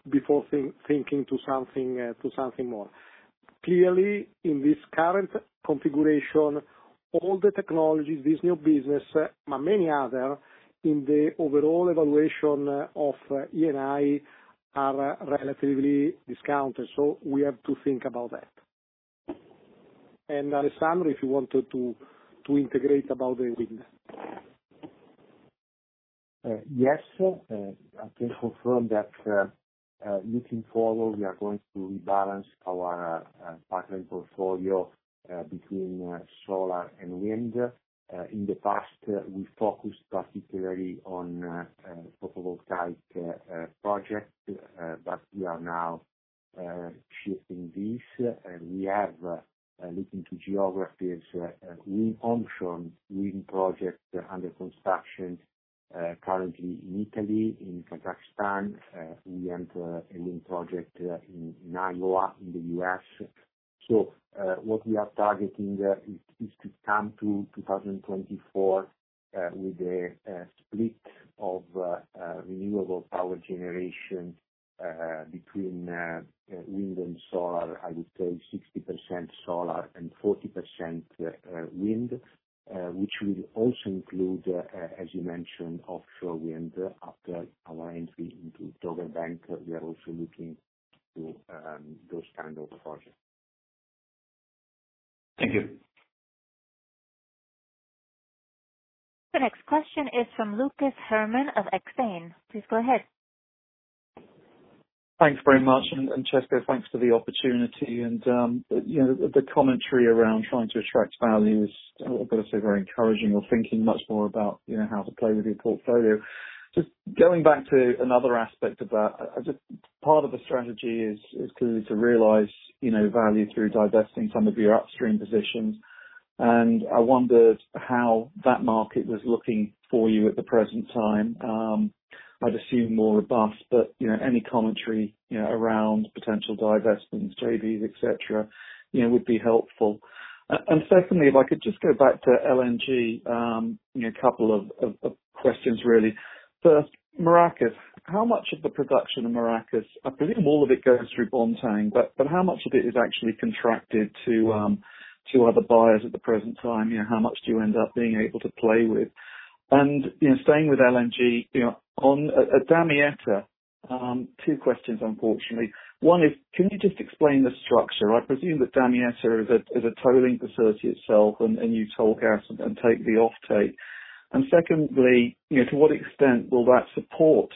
Speaker 2: before thinking to something more. Clearly, in this current configuration, all the technologies, this new business, and many other in the overall evaluation of Eni are relatively discounted. We have to think about that. Alessandro, if you want to integrate about the wind.
Speaker 9: Yes. I can confirm that, looking forward, we are going to rebalance our pipeline portfolio between solar and wind. In the past, we focused particularly on photovoltaic project, but we are now shifting this. We have, looking to geographies, wind offshore, wind project under construction currently in Italy, in Kazakhstan. We have a wind project in Iowa, in the U.S. So, what we are targeting is to come to 2024 with a split of renewable power generation between wind and solar. I would say 60% solar and 40% wind, which will also include, as you mentioned, offshore wind after our entry into Dogger Bank. We are also looking to those kinds of projects.
Speaker 15: Thank you.
Speaker 1: The next question is from Lucas Herrmann of Exane. Please go ahead.
Speaker 16: Thanks very much. Francesco, thanks for the opportunity and the commentary around trying to attract value is obviously very encouraging. We're thinking much more about how to play with your portfolio. Just going back to another aspect of that. Part of the strategy is clearly to realize value through divesting some of your upstream positions. I wondered how that market was looking for you at the present time. I'd assume more robust, but any commentary around potential divestments, JVs, etc., would be helpful. Secondly, if I could just go back to LNG, a couple of questions really. First, Merakes. How much of the production in Merakes I believe all of it goes through Bontang, but how much of it is actually contracted to other buyers at the present time? How much do you end up being able to play with? Staying with LNG, on Damietta, two questions, unfortunately. One is, can you just explain the structure? I presume that Damietta is a tolling facility itself, and you toll gas and take the offtake. Secondly, to what extent will that support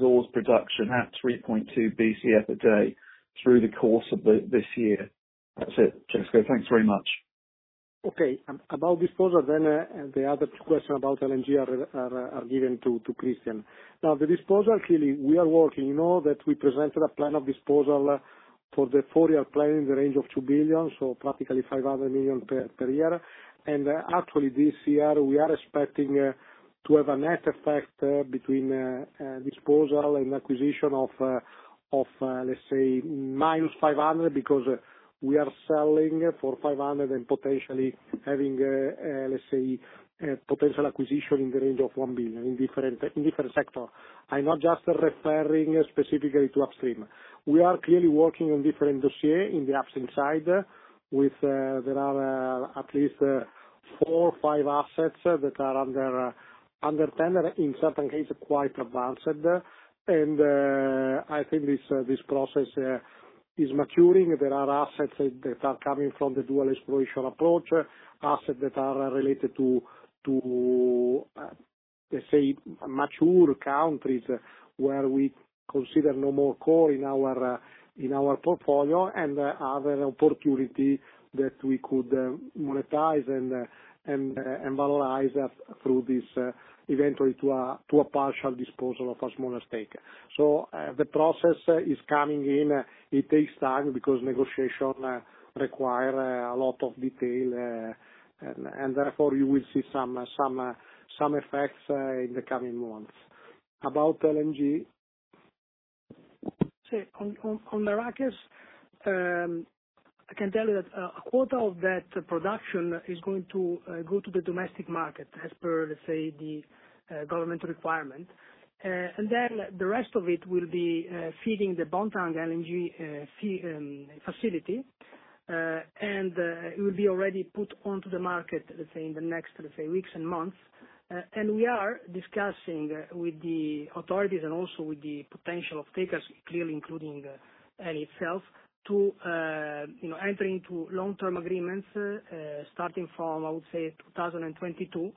Speaker 16: Zohr's production at 3.2 Bcf a day through the course of this year? That's it, Francesco. Thanks very much.
Speaker 2: Okay. About disposal, the other question about LNG are given to Cristian. The disposal, clearly, we are working. You know that we presented a plan of disposal for the four-year plan in the range of 2 billion, so practically 500 million per year. Actually this year, we are expecting to have a net effect between disposal and acquisition of, let's say, -500 million, because we are selling for 500 million and potentially having, let's say, a potential acquisition in the range of 1 billion in different sector. I'm not just referring specifically to upstream. We are clearly working on different dossier in the upstream side. There are at least four or five assets that are under tender. In certain case, quite advanced. I think this process is maturing. There are assets that are coming from the dual exploration approach, assets that are related to, let's say, mature countries where we consider no more core in our portfolio, and other opportunity that we could monetize and valorize through this, eventually, to a partial disposal of a smaller stake. The process is coming in. It takes time because negotiation require a lot of detail, and therefore you will see some effects in the coming months. About LNG.
Speaker 11: On the Merakes, I can tell you that a quota of that production is going to go to the domestic market as per, let's say, the government requirement. The rest of it will be feeding the Bontang LNG facility, and it will be already put onto the market, let's say, in the next weeks and months. We are discussing with the authorities and also with the potential offtakers, clearly including Eni itself, to enter into long-term agreements, starting from, I would say, 2022,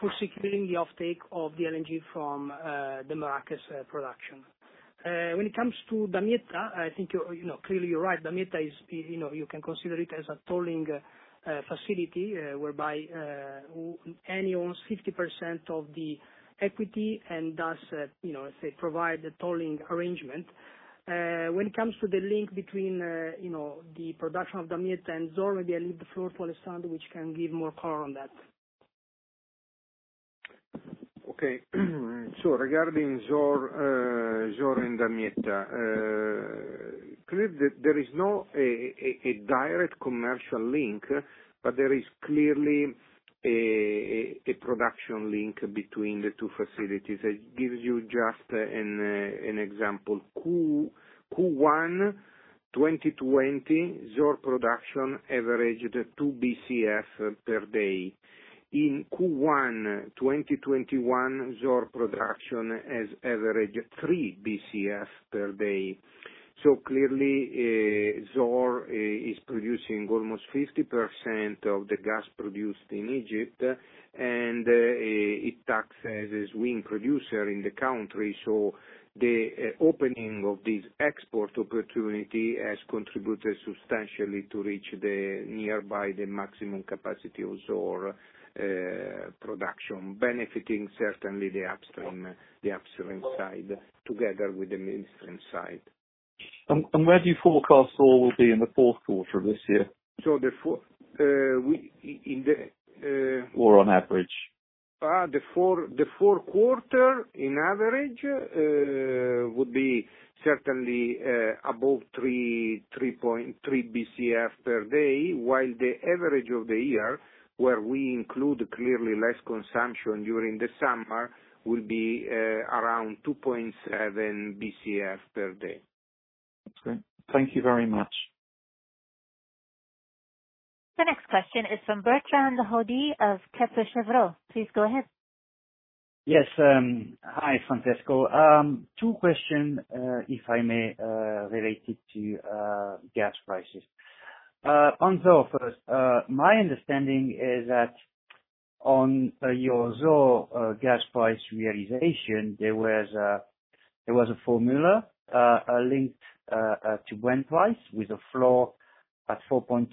Speaker 11: for securing the offtake of the LNG from the Merakes production. When it comes to Damietta, clearly, you're right. Damietta, you can consider it as a tolling facility, whereby Eni owns 50% of the equity and does, let's say, provide the tolling arrangement. When it comes to the link between the production of Damietta and Zohr, maybe I leave the floor to Alessandro, which can give more color on that.
Speaker 4: Okay. Regarding Zohr and Damietta, clearly, there is no direct commercial link, but there is clearly a production link between the two facilities. I give you just an example. Q1 2020, Zohr production averaged 2 Bcf per day. In Q1 2021, Zohr production has averaged 3 Bcf per day. Clearly, Zohr is producing almost 50% of the gas produced in Egypt, and it acts as a swing producer in the country. The opening of this export opportunity has contributed substantially to reach the nearby maximum capacity of Zohr production, benefiting certainly the upstream side together with the midstream side.
Speaker 16: Where do you forecast Zohr will be in the fourth quarter of this year?
Speaker 4: The fourth, we-
Speaker 16: on average.
Speaker 4: The fourth quarter, on average, would be certainly above 3 Bcf per day, while the average of the year, where we include clearly less consumption during the summer, will be around 2.7 Bcf per day.
Speaker 16: That's great. Thank you very much.
Speaker 1: The next question is from Bertrand Hodee of Kepler Cheuvreux. Please go ahead.
Speaker 17: Yes. Hi, Francesco. Two question, if I may, related to gas prices. On Zohr first. My understanding is that on your Zohr gas price realization, there was a formula, linked to oil price with a floor at $4.2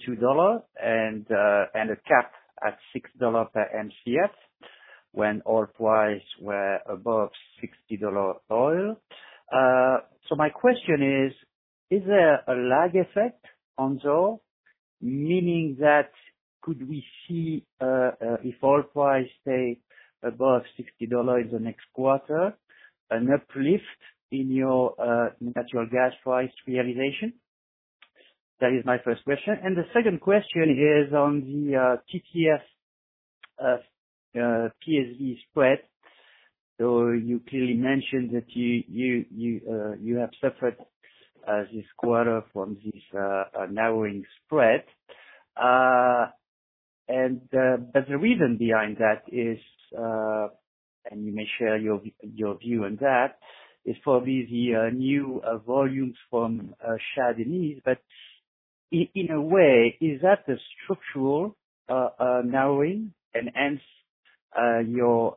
Speaker 17: and a cap at $6 per Mcf when oil price were above $60 oil. My question is: Is there a lag effect on Zohr, meaning that could we see, if oil price stay above $60 in the next quarter, an uplift in your natural gas price realization? That is my first question. The second question is on the TTF, PSV spread. You clearly mentioned that you have suffered this quarter from this narrowing spread. The reason behind that is, and you may share your view on that, is for these new volumes from Shah Deniz. In a way, is that a structural narrowing, and hence your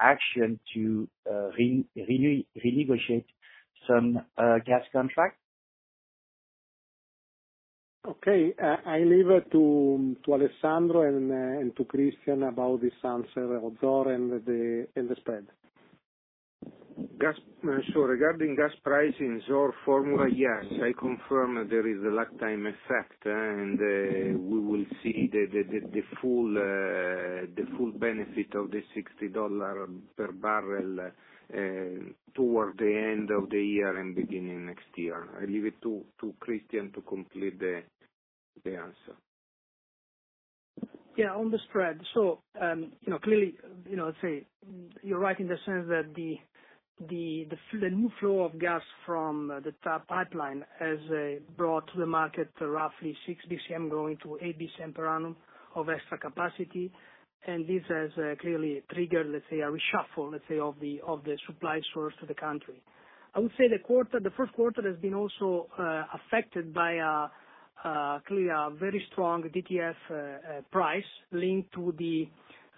Speaker 17: action to renegotiate some gas contract?
Speaker 2: Okay, I leave it to Alessandro and to Cristian about this answer of Zohr and the spread.
Speaker 4: Sure. Regarding gas pricing, Zohr formula, yes, I confirm there is a lag time effect. We will see the full benefit of the $60 per barrel toward the end of the year and beginning next year. I leave it to Cristian to complete the answer.
Speaker 11: Yeah, on the spread. Clearly, I'd say you're right in the sense that the new flow of gas from the TAP pipeline has brought to the market roughly 6 Bcm going to 8 Bcm per annum of extra capacity. This has clearly triggered, let's say, a reshuffle, let's say, of the supply source to the country. I would say the first quarter has been also affected by clearly a very strong TTF price linked to the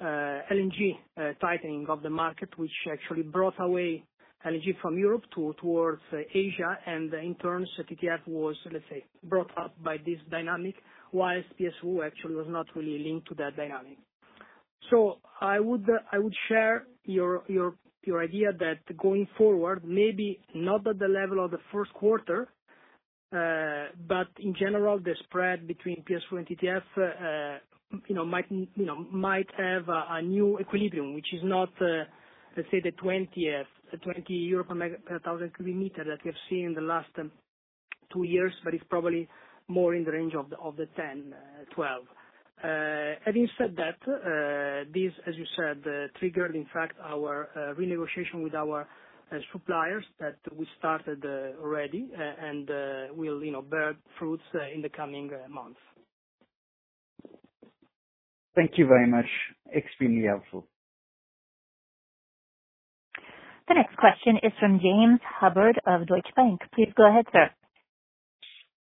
Speaker 11: LNG tightening of the market, which actually brought away LNG from Europe towards Asia. In turn, TTF was, let's say, brought up by this dynamic, while PSV actually was not really linked to that dynamic. I would share your idea that going forward, maybe not at the level of the first quarter, but in general, the spread between PSV and TTF might have a new equilibrium, which is not, let's say, the 20 euro per thousand cubic meters that we have seen in the last two years, but it is probably more in the range of the 10, 12. Having said that, this, as you said, triggered, in fact, our renegotiation with our suppliers that we started already and will bear fruits in the coming months.
Speaker 17: Thank you very much. Extremely helpful.
Speaker 1: The next question is from James Hubbard of Deutsche Bank. Please go ahead, sir.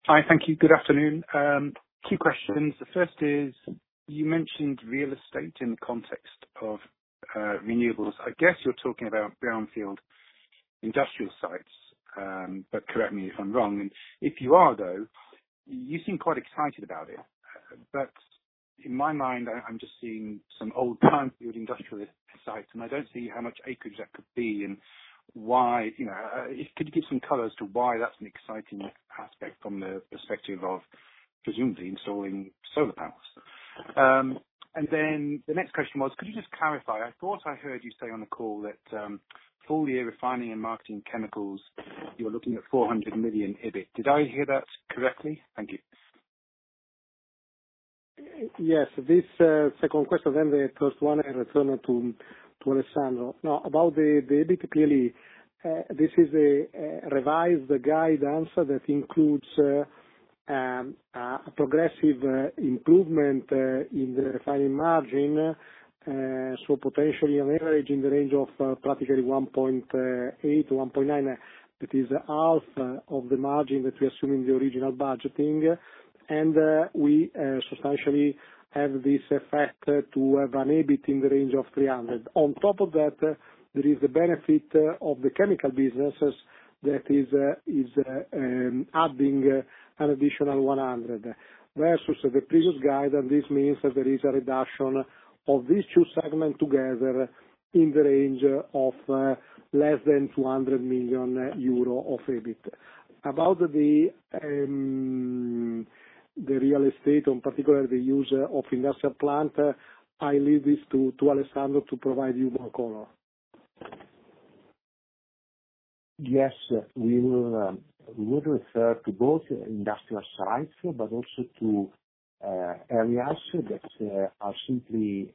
Speaker 18: Hi. Thank you. Good afternoon. Two questions. The first is, you mentioned real estate in the context of renewables. I guess you're talking about brownfield industrial sites, but correct me if I'm wrong. If you are, though, you seem quite excited about it. In my mind, I'm just seeing some old brownfield industrial sites, and I don't see how much acreage that could be and why. Could you give some color as to why that's an exciting aspect from the perspective of presumably installing solar panels? The next question was, could you just clarify, I thought I heard you say on the call that full year refining and marketing chemicals, you're looking at 400 million EBIT. Did I hear that correctly? Thank you.
Speaker 2: Yes. This second question, then the first one, I return to Alessandro. Now, about the EBIT, clearly, this is a revised guidance that includes a progressive improvement in the refining margin. Potentially an average in the range of practically 1.8-1.9. That is half of the margin that we assume in the original budgeting. We substantially have this effect to have an EBIT in the range of 300 million. On top of that, there is the benefit of the chemical businesses that is adding an additional 100 million. Versus the previous guide, this means that there is a reduction of these two segments together in the range of less than 200 million euro of EBIT. About the real estate, and particularly the use of industrial plant, I leave this to Alessandro to provide you more color.
Speaker 9: Yes. We will refer to both industrial sites, but also to areas that are simply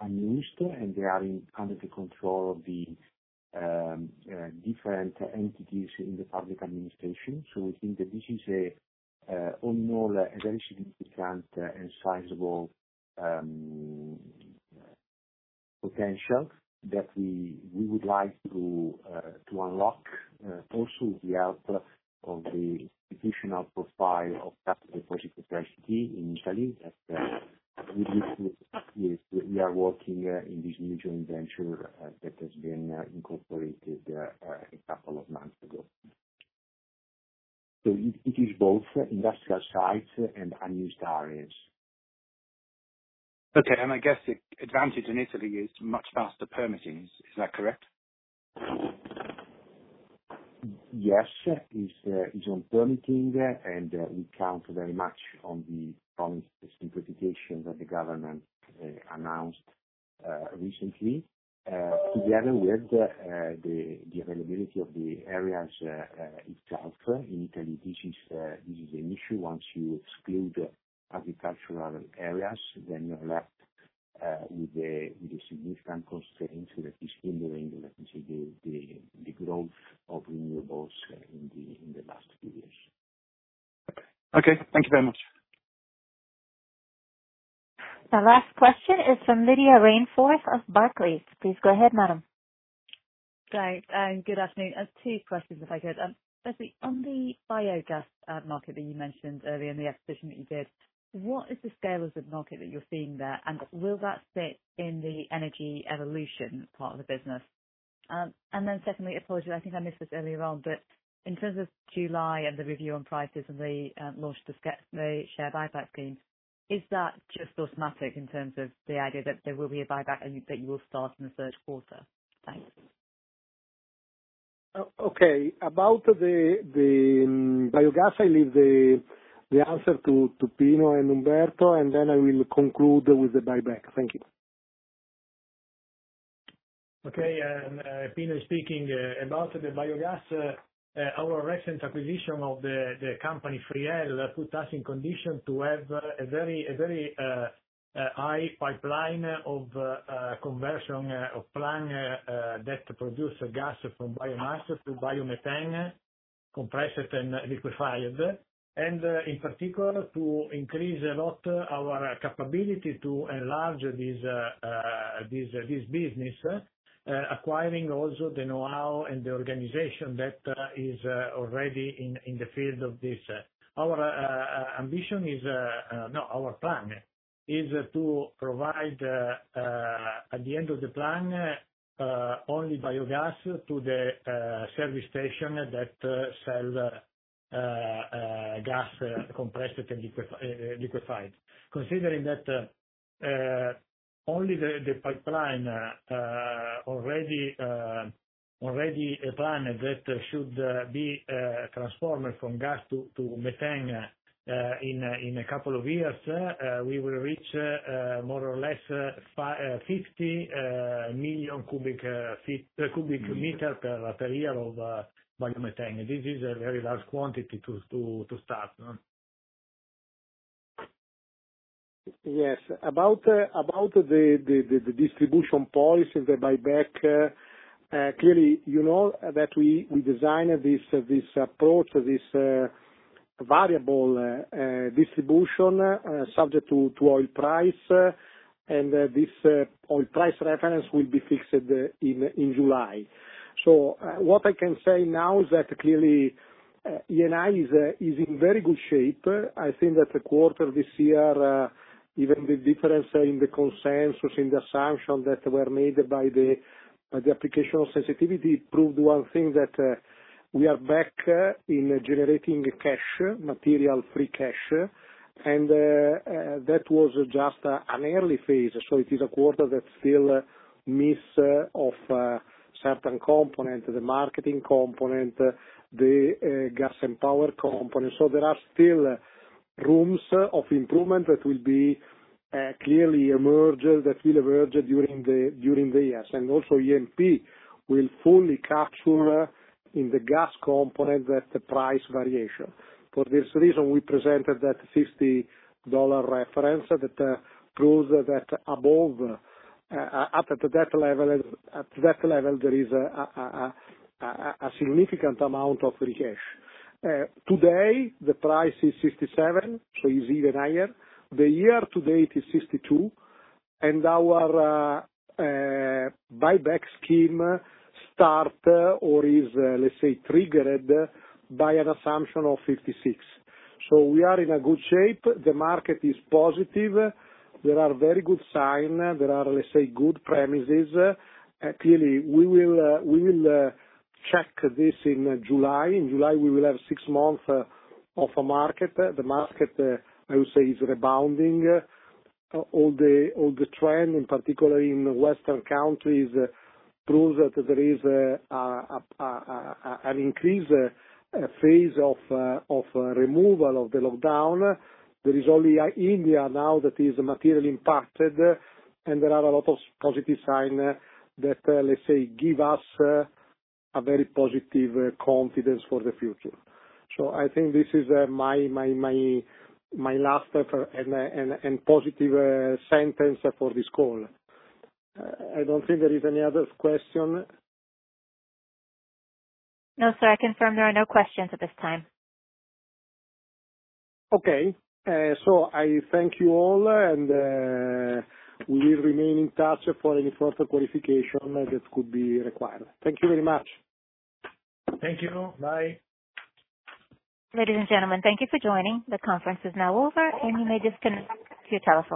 Speaker 9: unused, and they are under the control of the different entities in the public administration. We think that this is a all in all, a very significant and sizable potential that we would like to unlock. Also with the help of the institutional profile of capital for Cassa Depositi e Prestiti in Italy, that we listed. We are working in this new joint venture that has been incorporated a couple of months ago. It is both industrial sites and unused areas.
Speaker 18: Okay. I guess the advantage in Italy is much faster permitting. Is that correct?
Speaker 9: Yes, is on permitting. We count very much on the promised simplification that the government announced recently, together with the availability of the areas itself. In Italy, this is an issue. Once you exclude agricultural areas, you're left with the significant constraints that is hindering the growth of renewables in the last few years.
Speaker 18: Okay. Thank you very much.
Speaker 1: The last question is from Lydia Rainforth of Barclays. Please go ahead, madam.
Speaker 19: Great. Good afternoon. I have two questions, if I could. Gattei, on the biogas market that you mentioned earlier and the acquisition that you did, what is the scale of the market that you're seeing there, and will that sit in the Energy Evolution part of the business? Then secondly, apologies, I think I missed this earlier on, but in terms of July and the review on prices and the launch of the share buyback scheme, is that just automatic in terms of the idea that there will be a buyback and that you will start in the third quarter? Thanks.
Speaker 2: Okay. About the biogas, I leave the answer to Pino and Umberto, then I will conclude with the buyback. Thank you.
Speaker 20: Okay. Pino speaking. About the biogas, our recent acquisition of the company, FRI-EL, put us in condition to have a very high pipeline of conversion of plants that produce gas from biomass to biomethane, compressed and liquefied. In particular, to increase a lot our capability to enlarge this business, acquiring also the know-how and the organization that is already in the field of this. Our plan is to provide, at the end of the plan, only biogas to the service stations that sell gas, compressed and liquefied. Considering that only the pipeline already planned that should be transformed from gas to methane in a couple of years, we will reach more or less 50 million cu m per year of biomethane. This is a very large quantity to start.
Speaker 2: Yes. About the distribution policy, the buyback, clearly, you know that we designed this approach, this variable distribution, subject to oil price, and this oil price reference will be fixed in July. What I can say now is that clearly, Eni is in very good shape. I think that the quarter this year, even the difference in the consensus, in the assumptions that were made by the application of sensitivity, proved one thing, that we are back in generating cash, material free cash, and that was just an early phase. It is a quarter that still miss of certain components, the marketing component, the gas and power component. There are still rooms of improvement that will emerge during the years. Also E&P will fully capture in the gas component the price variation. For this reason, we presented that $60 reference that proves that up to that level, there is a significant amount of free cash. Today, the price is $67, so it's even higher. The year to date is $62, and our buyback scheme start or is, let's say, triggered by an assumption of $56. We are in a good shape. The market is positive. There are very good sign. There are, let's say, good premises. Clearly, we will check this in July. In July, we will have six month of a market. The market, I would say, is rebounding. All the trend, in particular in Western countries, proves that there is an increase phase of removal of the lockdown. There is only India now that is materially impacted, and there are a lot of positive sign that, let's say, give us a very positive confidence for the future. I think this is my last and positive sentence for this call. I don't think there is any other question.
Speaker 1: No, sir. I confirm there are no questions at this time.
Speaker 2: Okay. I thank you all, and we will remain in touch for any further clarification that could be required. Thank you very much. Thank you. Bye.
Speaker 1: Ladies and gentlemen, thank you for joining. The conference is now over, and you may disconnect your telephone.